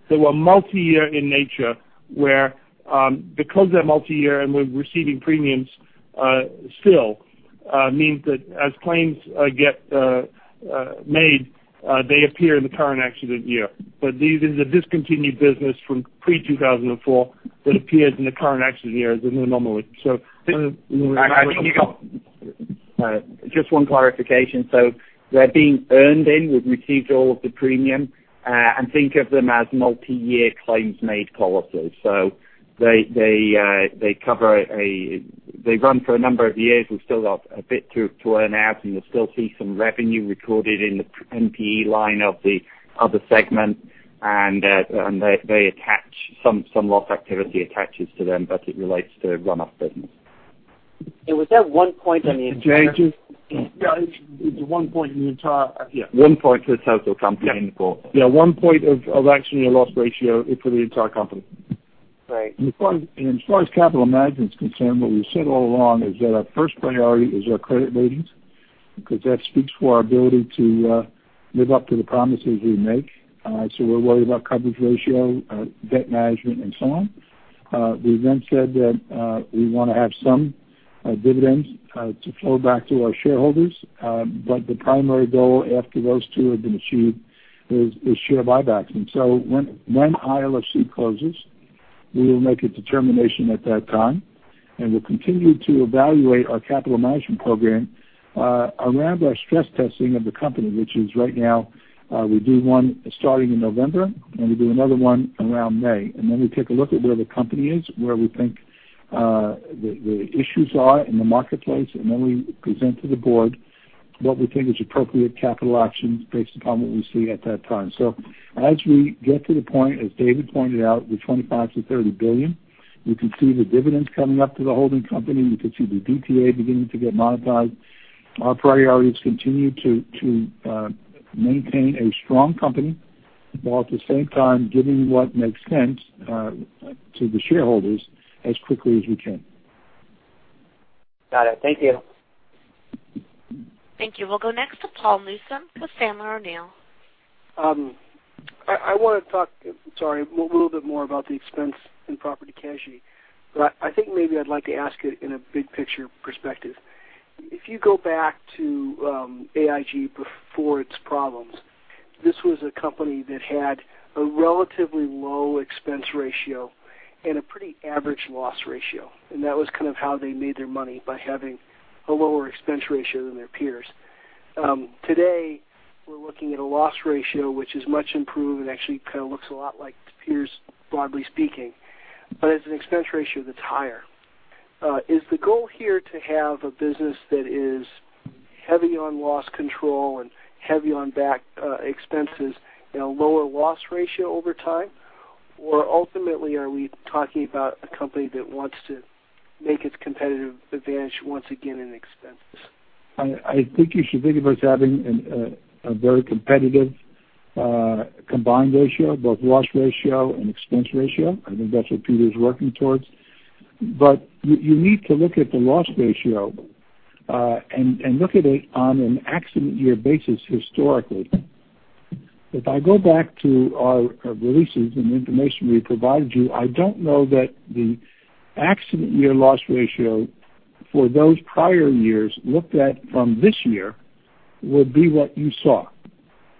[SPEAKER 5] That were multi-year in nature where, because they're multi-year and we're receiving premiums still, means that as claims get made, they appear in the current accident year. This is a discontinued business from pre-2004 that appears in the current accident year as a new normal.
[SPEAKER 12] Just one clarification. They're being earned in, we've received all of the premium, think of them as multi-year claims made policies. They run for a number of years. We've still got a bit to earn out, you'll still see some revenue recorded in the NPE line of the segment, they attach some loss activity to them, it relates to run-off business.
[SPEAKER 11] Was that one point on the entire?
[SPEAKER 3] It's one point in the entire.
[SPEAKER 12] One point to the total company for-
[SPEAKER 3] Yeah, one point of accident year loss ratio for the entire company. Right. As far as capital management's concerned, what we've said all along is that our first priority is our credit ratings, because that speaks for our ability to live up to the promises we make. We're worried about coverage ratio, debt management, and so on. We said that we want to have some dividends to flow back to our shareholders. The primary goal after those two have been achieved is share buybacks. When ILFC closes, we will make a determination at that time, and we'll continue to evaluate our capital management program around our stress testing of the company, which is right now, we do one starting in November, and we do another one around May. We take a look at where the company is, where we think the issues are in the marketplace, and then we present to the board what we think is appropriate capital actions based upon what we see at that time. As we get to the point, as David pointed out, with $25 billion-$30 billion, we can see the dividends coming up to the holding company. We can see the DTA beginning to get modified. Our priorities continue to maintain a strong company, while at the same time giving what makes sense to the shareholders as quickly as we can.
[SPEAKER 11] Got it. Thank you.
[SPEAKER 1] Thank you. We'll go next to Paul Newsome with Sandler O'Neill.
[SPEAKER 13] I want to talk, sorry, a little bit more about the expense in Property Casualty, but I think maybe I'd like to ask it in a big picture perspective. If you go back to AIG before its problems, this was a company that had a relatively low expense ratio and a pretty average loss ratio, and that was kind of how they made their money by having a lower expense ratio than their peers. Today, we're looking at a loss ratio, which is much improved and actually kind of looks a lot like its peers, broadly speaking. It's an expense ratio that's higher. Ultimately, are we talking about a company that wants to make its competitive advantage once again in expenses?
[SPEAKER 3] I think you should think of us having a very competitive combined ratio, both loss ratio and expense ratio. I think that's what Peter's working towards. You need to look at the loss ratio, and look at it on an accident year basis historically. If I go back to our releases and information we provided you, I don't know that the accident year loss ratio for those prior years looked at from this year would be what you saw.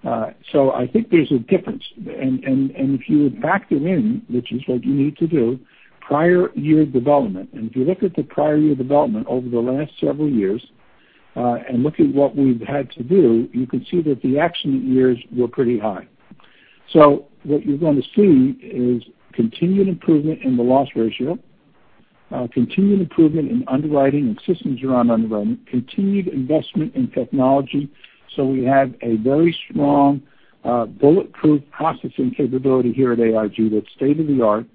[SPEAKER 3] I think there's a difference. If you would factor in, which is what you need to do, prior year development, and if you look at the prior year development over the last several years and look at what we've had to do, you can see that the accident years were pretty high. What you're going to see is continued improvement in the loss ratio, continued improvement in underwriting and systems around underwriting, continued investment in technology. We have a very strong bulletproof processing capability here at AIG that's state-of-the-art.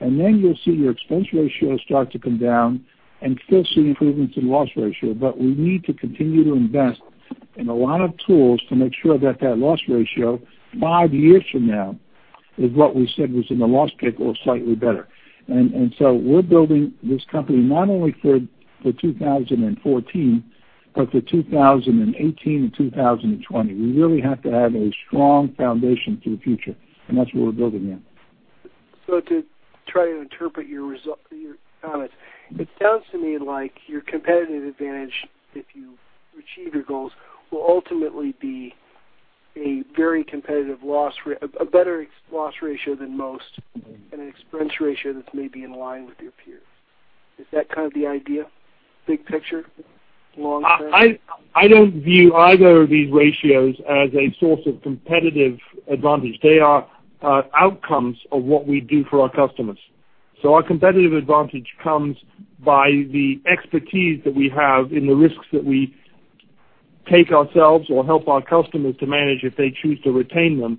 [SPEAKER 3] Then you'll see your expense ratio start to come down and still see improvements in loss ratio. We need to continue to invest in a lot of tools to make sure that that loss ratio five years from now is what we said was in the loss pick or slightly better. We're building this company not only for 2014, but for 2018 and 2020. We really have to have a strong foundation for the future, and that's what we're building in.
[SPEAKER 13] To try to interpret your comments, it sounds to me like your competitive advantage, if you achieve your goals, will ultimately be a very competitive a better loss ratio than most and an expense ratio that's maybe in line with your peers. Is that kind of the idea, big picture, long term?
[SPEAKER 5] I don't view either of these ratios as a source of competitive advantage. They are outcomes of what we do for our customers. Our competitive advantage comes by the expertise that we have in the risks that we take ourselves or help our customers to manage if they choose to retain them.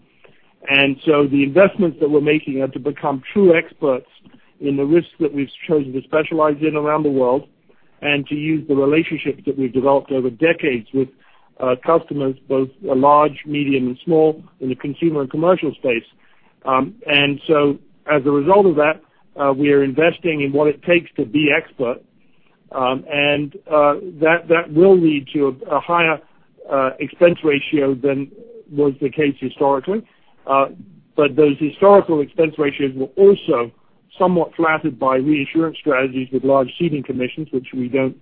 [SPEAKER 5] The investments that we're making are to become true experts in the risks that we've chosen to specialize in around the world and to use the relationships that we've developed over decades with customers, both large, medium, and small in the consumer and commercial space. As a result of that, we are investing in what it takes to be expert That will lead to a higher expense ratio than was the case historically. Those historical expense ratios were also somewhat flattered by reinsurance strategies with large ceding commissions, which we don't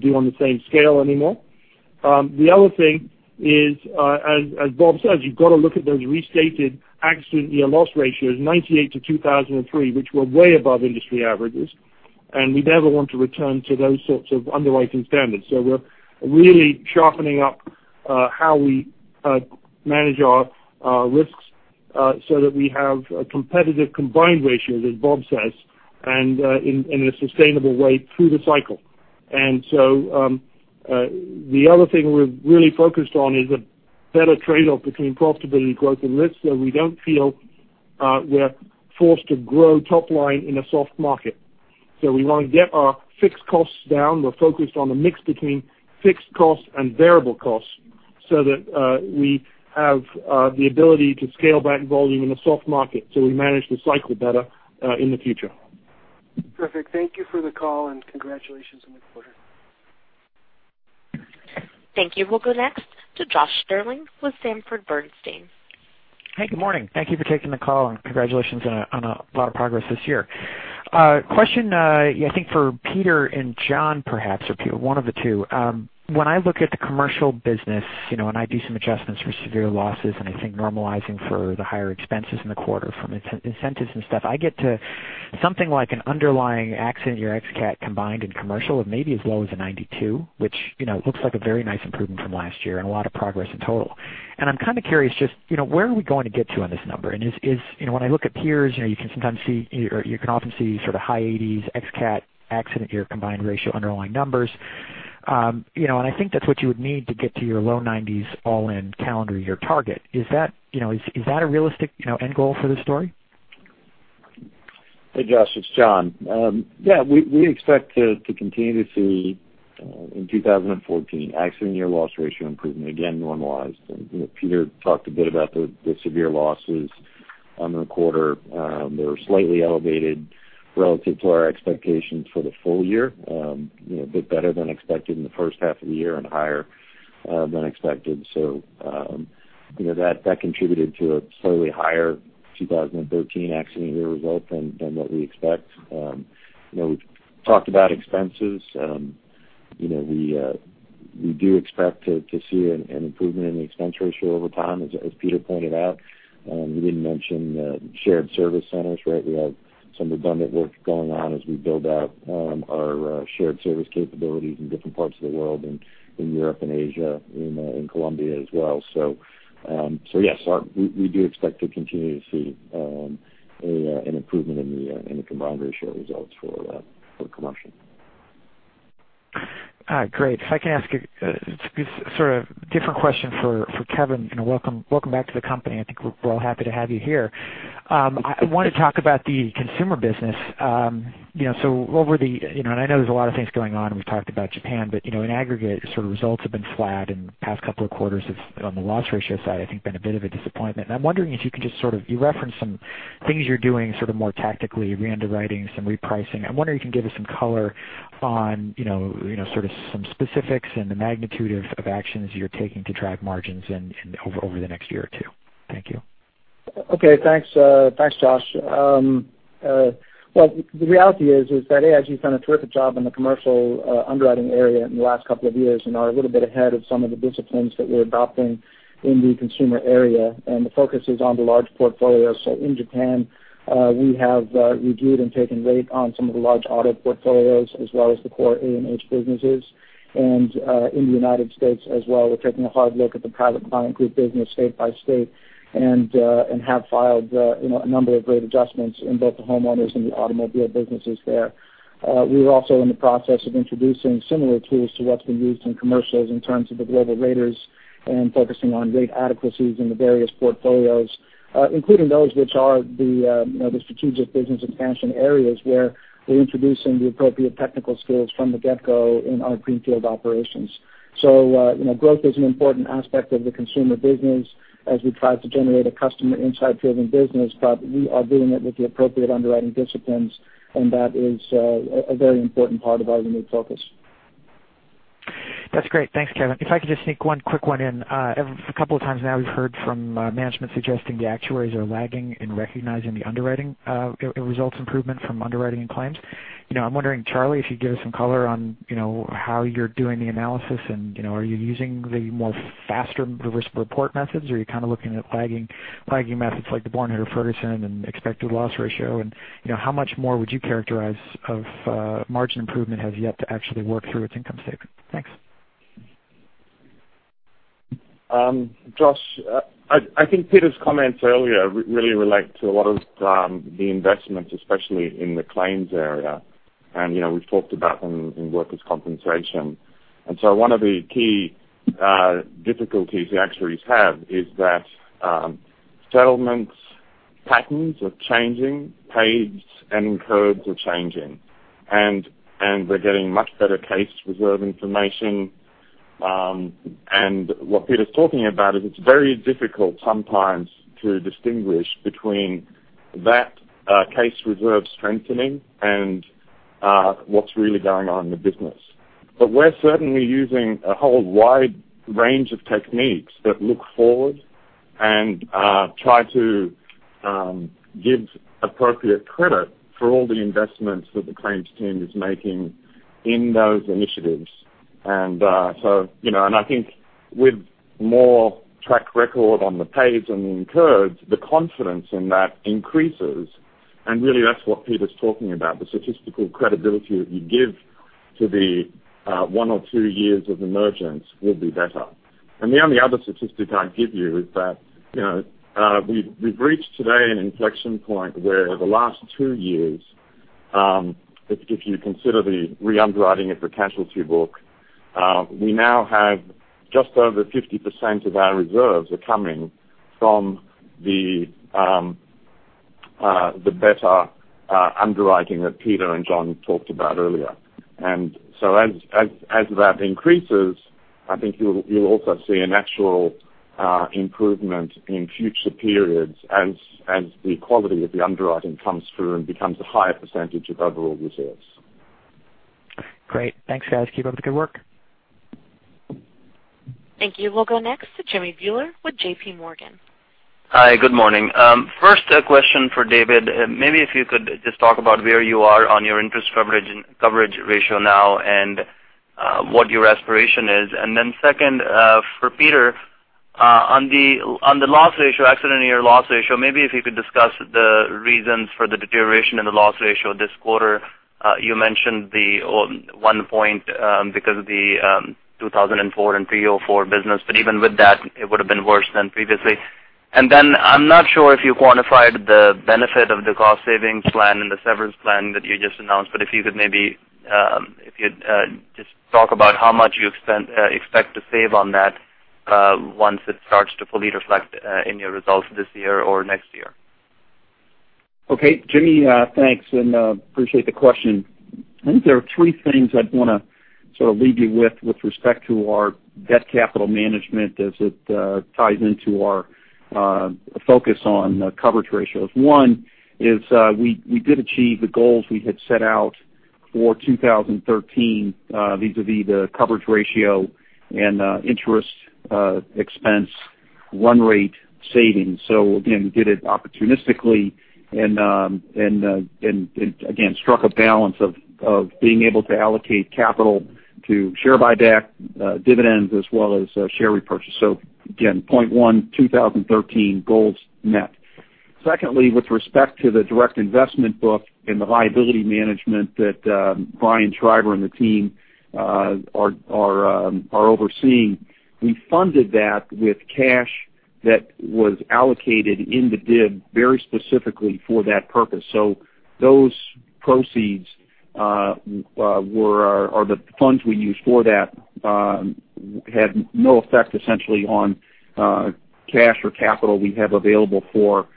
[SPEAKER 5] do on the same scale anymore. The other thing is, as Bob says, you've got to look at those restated accident year loss ratios 1998 to 2003, which were way above industry averages, and we never want to return to those sorts of underwriting standards. We're really sharpening up how we manage our risks so that we have a competitive combined ratio, as Bob says, and in a sustainable way through the cycle. The other thing we're really focused on is a better trade-off between profitability growth and risk, so we don't feel we're forced to grow top-line in a soft market. We want to get our fixed costs down. We're focused on the mix between fixed costs and variable costs so that we have the ability to scale back volume in a soft market so we manage the cycle better in the future.
[SPEAKER 13] Perfect. Thank you for the call and congratulations on the quarter.
[SPEAKER 1] Thank you. We'll go next to Josh Stirling with Sanford Bernstein.
[SPEAKER 14] Hey, good morning. Thank you for taking the call, and congratulations on a lot of progress this year. A question, I think, for Peter and John, perhaps, or one of the two. When I look at the commercial business and I do some adjustments for severe losses, and I think normalizing for the higher expenses in the quarter from incentives and stuff, I get to something like an underlying accident year x cat combined in commercial of maybe as low as a 92%, which looks like a very nice improvement from last year and a lot of progress in total. I'm kind of curious just where are we going to get to on this number? When I look at peers, you can often see sort of high 80s% x cat accident year combined ratio underlying numbers. I think that's what you would need to get to your low 90s% all-in calendar year target. Is that a realistic end goal for this story?
[SPEAKER 8] Hey, Josh, it's John. We expect to continue to see, in 2014, accident year loss ratio improvement, again normalized. Peter talked a bit about the severe losses on the quarter. They were slightly elevated relative to our expectations for the full year. A bit better than expected in the first half of the year and higher than expected. That contributed to a slightly higher 2013 accident year result than what we expect. We've talked about expenses. We do expect to see an improvement in the expense ratio over time, as Peter pointed out. We didn't mention shared service centers, right? We have some redundant work going on as we build out our shared service capabilities in different parts of the world, in Europe and Asia, in Colombia as well. Yes, we do expect to continue to see an improvement in the combined ratio results for commercial.
[SPEAKER 14] All right, great. If I can ask a different question for Kevin, and welcome back to the company. I think we're all happy to have you here. I want to talk about the consumer business. I know there's a lot of things going on, and we've talked about Japan, but in aggregate, results have been flat in the past couple of quarters on the loss ratio side, I think been a bit of a disappointment. I'm wondering if you can just sort of, you referenced some things you're doing sort of more tactically, rewriting some repricing. I wonder if you can give us some color on some specifics and the magnitude of actions you're taking to drive margins over the next year or two. Thank you.
[SPEAKER 10] Okay. Thanks, Josh. Well, the reality is that, A, as you've done a terrific job in the commercial underwriting area in the last couple of years and are a little bit ahead of some of the disciplines that we're adopting in the consumer area. The focus is on the large portfolio. In Japan, we have reviewed and taken rate on some of the large auto portfolios as well as the core A&H businesses. In the U.S. as well, we're taking a hard look at the Private Client Group business state by state and have filed a number of rate adjustments in both the homeowners and the automobile businesses there. We are also in the process of introducing similar tools to what's been used in commercials in terms of the global raters and focusing on rate adequacies in the various portfolios including those which are the strategic business expansion areas where we're introducing the appropriate technical skills from the get-go in our greenfield operations. Growth is an important aspect of the consumer business as we try to generate a customer insight-driven business. We are doing it with the appropriate underwriting disciplines, and that is a very important part of our renewed focus.
[SPEAKER 14] That's great. Thanks, Kevin. If I could just sneak one quick one in. A couple of times now we've heard from management suggesting the actuaries are lagging in recognizing the underwriting results improvement from underwriting and claims. I'm wondering, Charlie, if you'd give us some color on how you're doing the analysis, and are you using the more faster risk report methods, or are you kind of looking at lagging methods like the Bornhuetter-Ferguson and expected loss ratio? How much more would you characterize of margin improvement has yet to actually work through its income statement? Thanks.
[SPEAKER 15] Josh, I think Peter's comments earlier really relate to a lot of the investments, especially in the claims area, and we've talked about in workers' compensation. One of the key difficulties the actuaries have is that settlement patterns are changing, paid and incurred are changing, and we're getting much better case reserve information. What Peter's talking about is it's very difficult sometimes to distinguish between that case reserve strengthening and what's really going on in the business. We're certainly using a whole wide range of techniques that look forward and try to give appropriate credit for all the investments that the claims team is making in those initiatives. I think with more track record on the pays and the incurreds, the confidence in that increases. Really, that's what Peter's talking about. The statistical credibility that you give to the one or two years of emergence will be better. The only other statistic I'd give you is that we've reached today an inflection point where the last two years, if you consider the re-underwriting of the casualty book, we now have just over 50% of our reserves are coming from the better underwriting that Peter and John talked about earlier. As that increases, I think you'll also see a natural improvement in future periods as the quality of the underwriting comes through and becomes a higher percentage of overall reserves.
[SPEAKER 14] Great. Thanks, guys. Keep up the good work.
[SPEAKER 1] Thank you. We'll go next to Jimmy Bhullar with J.P. Morgan.
[SPEAKER 16] Hi, good morning. First question for David, maybe if you could just talk about where you are on your interest coverage ratio now and what your aspiration is. Second, for Peter, on the accident year loss ratio, maybe if you could discuss the reasons for the deterioration in the loss ratio this quarter. You mentioned the one point because of the 2004 and 304 business, but even with that, it would have been worse than previously. I'm not sure if you quantified the benefit of the cost savings plan and the severance plan that you just announced, but if you could maybe just talk about how much you expect to save on that once it starts to fully reflect in your results this year or next year.
[SPEAKER 4] Okay, Jimmy. Thanks, and appreciate the question. I think there are three things I'd want to sort of leave you with respect to our debt capital management as it ties into our focus on coverage ratios. One is we did achieve the goals we had set out for 2013 vis-a-vis the coverage ratio and interest expense run rate savings. Again, we did it opportunistically and again, struck a balance of being able to allocate capital to share buyback dividends as well as share repurchase. Again, point one, 2013 goals met. Secondly, with respect to the direct investment book and the liability management that Brian Schreiber and the team are overseeing, we funded that with cash that was allocated in the DIB very specifically for that purpose. Those proceeds or the funds we used for that had no effect essentially on cash or capital we have available for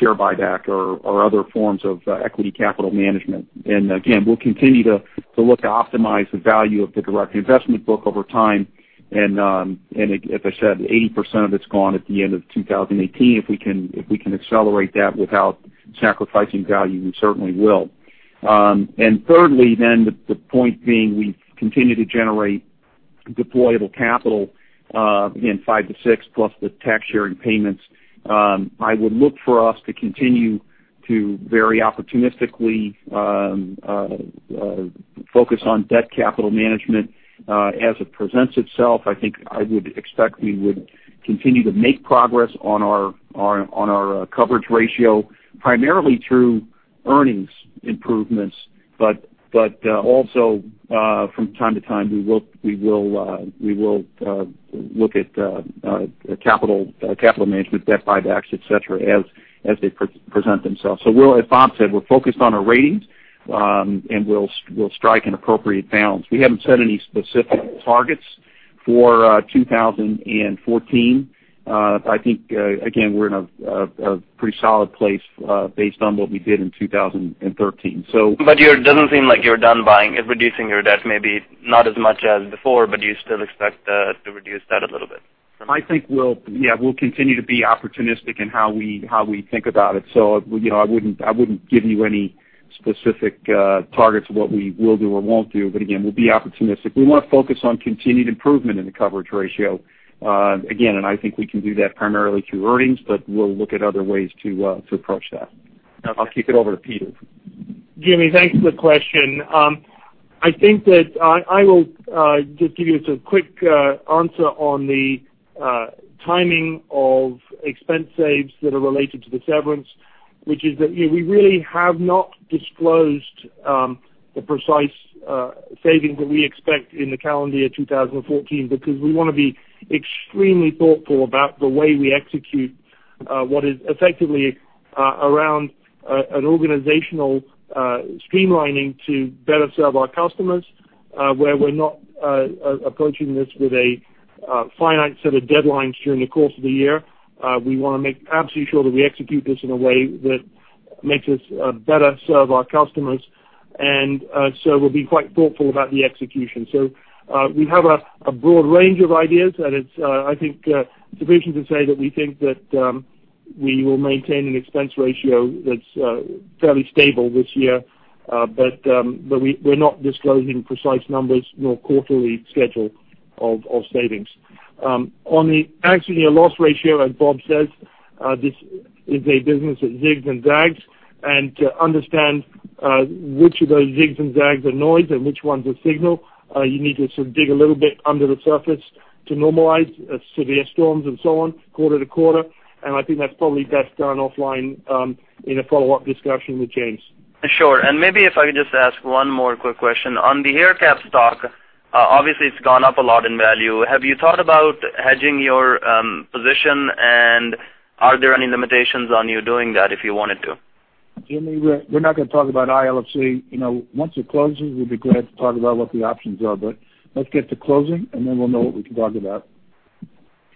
[SPEAKER 4] share buyback or other forms of equity capital management. Again, we'll continue to look to optimize the value of the direct investment book over time. As I said, 80% of it's gone at the end of 2018. If we can accelerate that without sacrificing value, we certainly will. Thirdly, the point being we continue to generate deployable capital again, five to six plus the tax sharing payments. I would look for us to continue to very opportunistically focus on debt capital management as it presents itself. I think I would expect we would continue to make progress on our coverage ratio, primarily through earnings improvements. Also from time to time, we will look at capital management, debt buybacks, et cetera, as they present themselves. As Bob said, we're focused on our ratings, and we'll strike an appropriate balance. We haven't set any specific targets for 2014. I think, again, we're in a pretty solid place based on what we did in 2013.
[SPEAKER 16] It doesn't seem like you're done buying, reducing your debt. Maybe not as much as before, but do you still expect to reduce that a little bit?
[SPEAKER 4] I think we'll continue to be opportunistic in how we think about it. I wouldn't give you any specific targets of what we will do or won't do. Again, we'll be opportunistic. We want to focus on continued improvement in the coverage ratio again, and I think we can do that primarily through earnings, but we'll look at other ways to approach that. I'll kick it over to Peter.
[SPEAKER 5] Jimmy, thanks for the question. I think that I will just give you a quick answer on the timing of expense saves that are related to the severance, which is that we really have not disclosed the precise savings that we expect in the calendar year 2014 because we want to be extremely thoughtful about the way we execute what is effectively around an organizational streamlining to better serve our customers where we're not approaching this with a finite set of deadlines during the course of the year. We want to make absolutely sure that we execute this in a way that Makes us better serve our customers. We'll be quite thoughtful about the execution. We have a broad range of ideas, and I think sufficient to say that we think that we will maintain an expense ratio that's fairly stable this year. We're not disclosing precise numbers nor quarterly schedule of savings. On the, accident year loss ratio, as Bob says, this is a business that zigs and zags. To understand which of those zigs and zags are noise and which ones are signal, you need to sort of dig a little bit under the surface to normalize severe storms and so on quarter-to-quarter. I think that's probably best done offline in a follow-up discussion with James.
[SPEAKER 16] Sure. Maybe if I could just ask one more quick question. On the AerCap stock, obviously it's gone up a lot in value. Have you thought about hedging your position, and are there any limitations on you doing that if you wanted to?
[SPEAKER 4] Jimmy, we're not going to talk about ILFC. Once it closes, we'll be glad to talk about what the options are, but let's get to closing, then we'll know what we can talk about.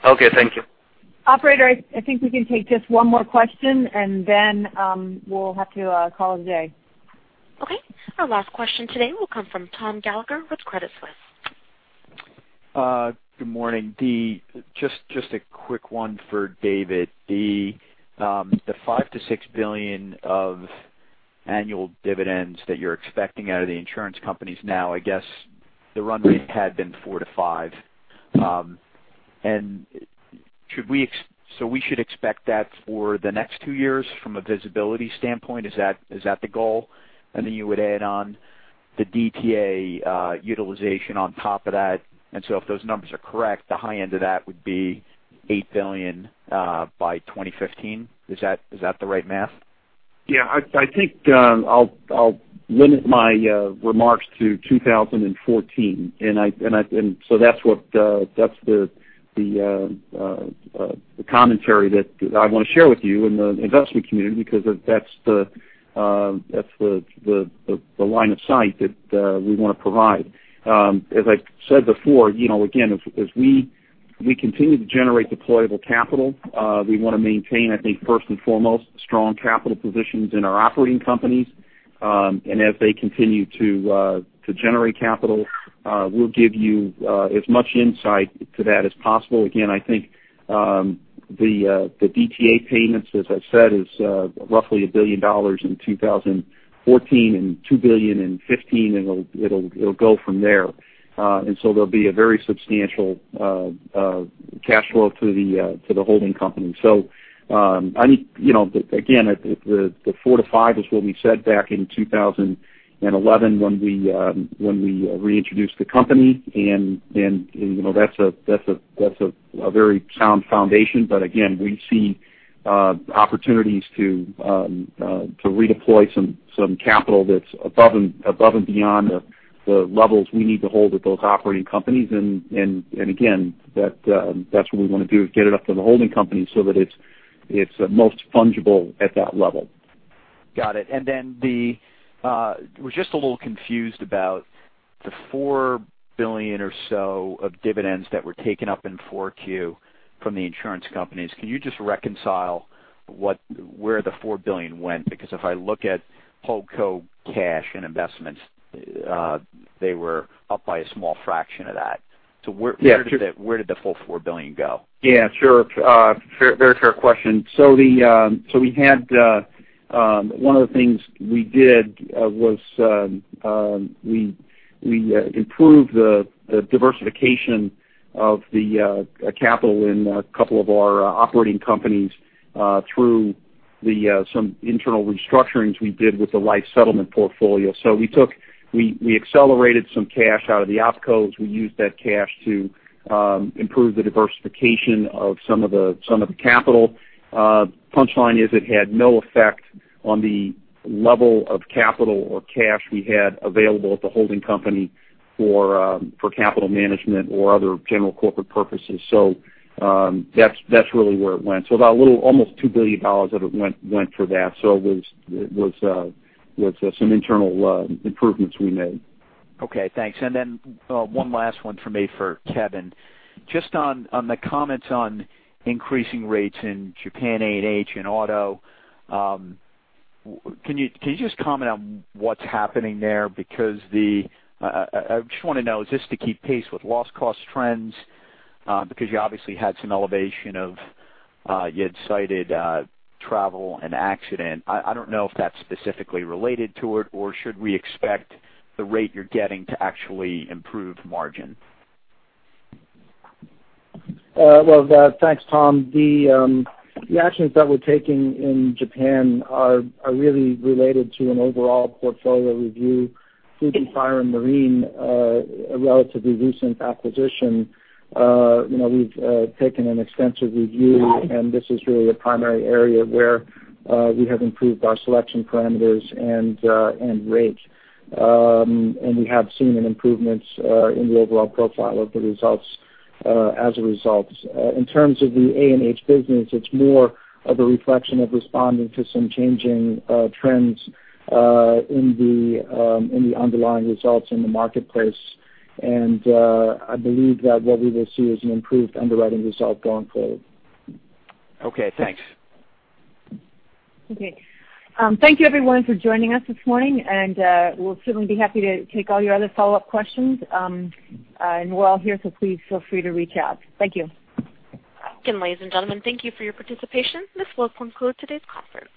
[SPEAKER 16] Okay, thank you.
[SPEAKER 2] Operator, I think we can take just one more question, and then we'll have to call it a day.
[SPEAKER 1] Okay. Our last question today will come from Tom Gallagher with Credit Suisse.
[SPEAKER 17] Good morning. Just a quick one for David. The $5 billion-$6 billion of annual dividends that you're expecting out of the insurance companies now, I guess the run rate had been $4 billion-$5 billion. We should expect that for the next two years from a visibility standpoint, is that the goal? You would add on the DTA utilization on top of that. If those numbers are correct, the high end of that would be $8 billion by 2015. Is that the right math?
[SPEAKER 4] Yeah. I think I'll limit my remarks to 2014. That's the commentary that I want to share with you in the investment community, because that's the line of sight that we want to provide. As I said before, again, as we continue to generate deployable capital, we want to maintain, I think, first and foremost, strong capital positions in our operating companies. As they continue to generate capital, we'll give you as much insight to that as possible. Again, I think, the DTA payments, as I've said, is roughly $1 billion in 2014 and $2 billion in 2015, and it'll go from there. There'll be a very substantial cash flow to the holding company. Again, the $4 billion-$5 billion is what we said back in 2011 when we reintroduced the company. That's a very sound foundation. We see opportunities to redeploy some capital that's above and beyond the levels we need to hold at those operating companies. Again, that's what we want to do, get it up to the holding company so that it's most fungible at that level.
[SPEAKER 17] Got it. Then was just a little confused about the $4 billion or so of dividends that were taken up in 4Q from the insurance companies. Can you just reconcile where the $4 billion went? Because if I look at Holdco cash and investments, they were up by a small fraction of that. Where did the full $4 billion go?
[SPEAKER 4] Yeah, sure. Very fair question. One of the things we did was, we improved the diversification of the capital in a couple of our operating companies through some internal restructurings we did with the life settlement portfolio. We accelerated some cash out of the opcos. We used that cash to improve the diversification of some of the capital. Punchline is it had no effect on the level of capital or cash we had available at the holding company for capital management or other general corporate purposes. That's really where it went. About a little, almost $2 billion of it went for that. It was some internal improvements we made.
[SPEAKER 17] Okay, thanks. Then one last one from me for Kevin. Just on the comments on increasing rates in Japan A&H and auto, can you just comment on what's happening there? I just want to know, is this to keep pace with loss cost trends? You obviously had some elevation of, you had cited travel and accident. I don't know if that's specifically related to it, or should we expect the rate you're getting to actually improve margin?
[SPEAKER 10] Well, thanks, Tom. The actions that we're taking in Japan are really related to an overall portfolio review. Fuji Fire and Marine, a relatively recent acquisition. We've taken an extensive review, and this is really a primary area where we have improved our selection parameters and rate. We have seen an improvements in the overall profile of the results as a result. In terms of the A&H business, it's more of a reflection of responding to some changing trends in the underlying results in the marketplace. I believe that what we will see is an improved underwriting result going forward.
[SPEAKER 17] Okay, thanks.
[SPEAKER 2] Okay. Thank you everyone for joining us this morning, and we'll certainly be happy to take all your other follow-up questions. We're all here, so please feel free to reach out. Thank you.
[SPEAKER 1] Again, ladies and gentlemen, thank you for your participation. This will conclude today's conference.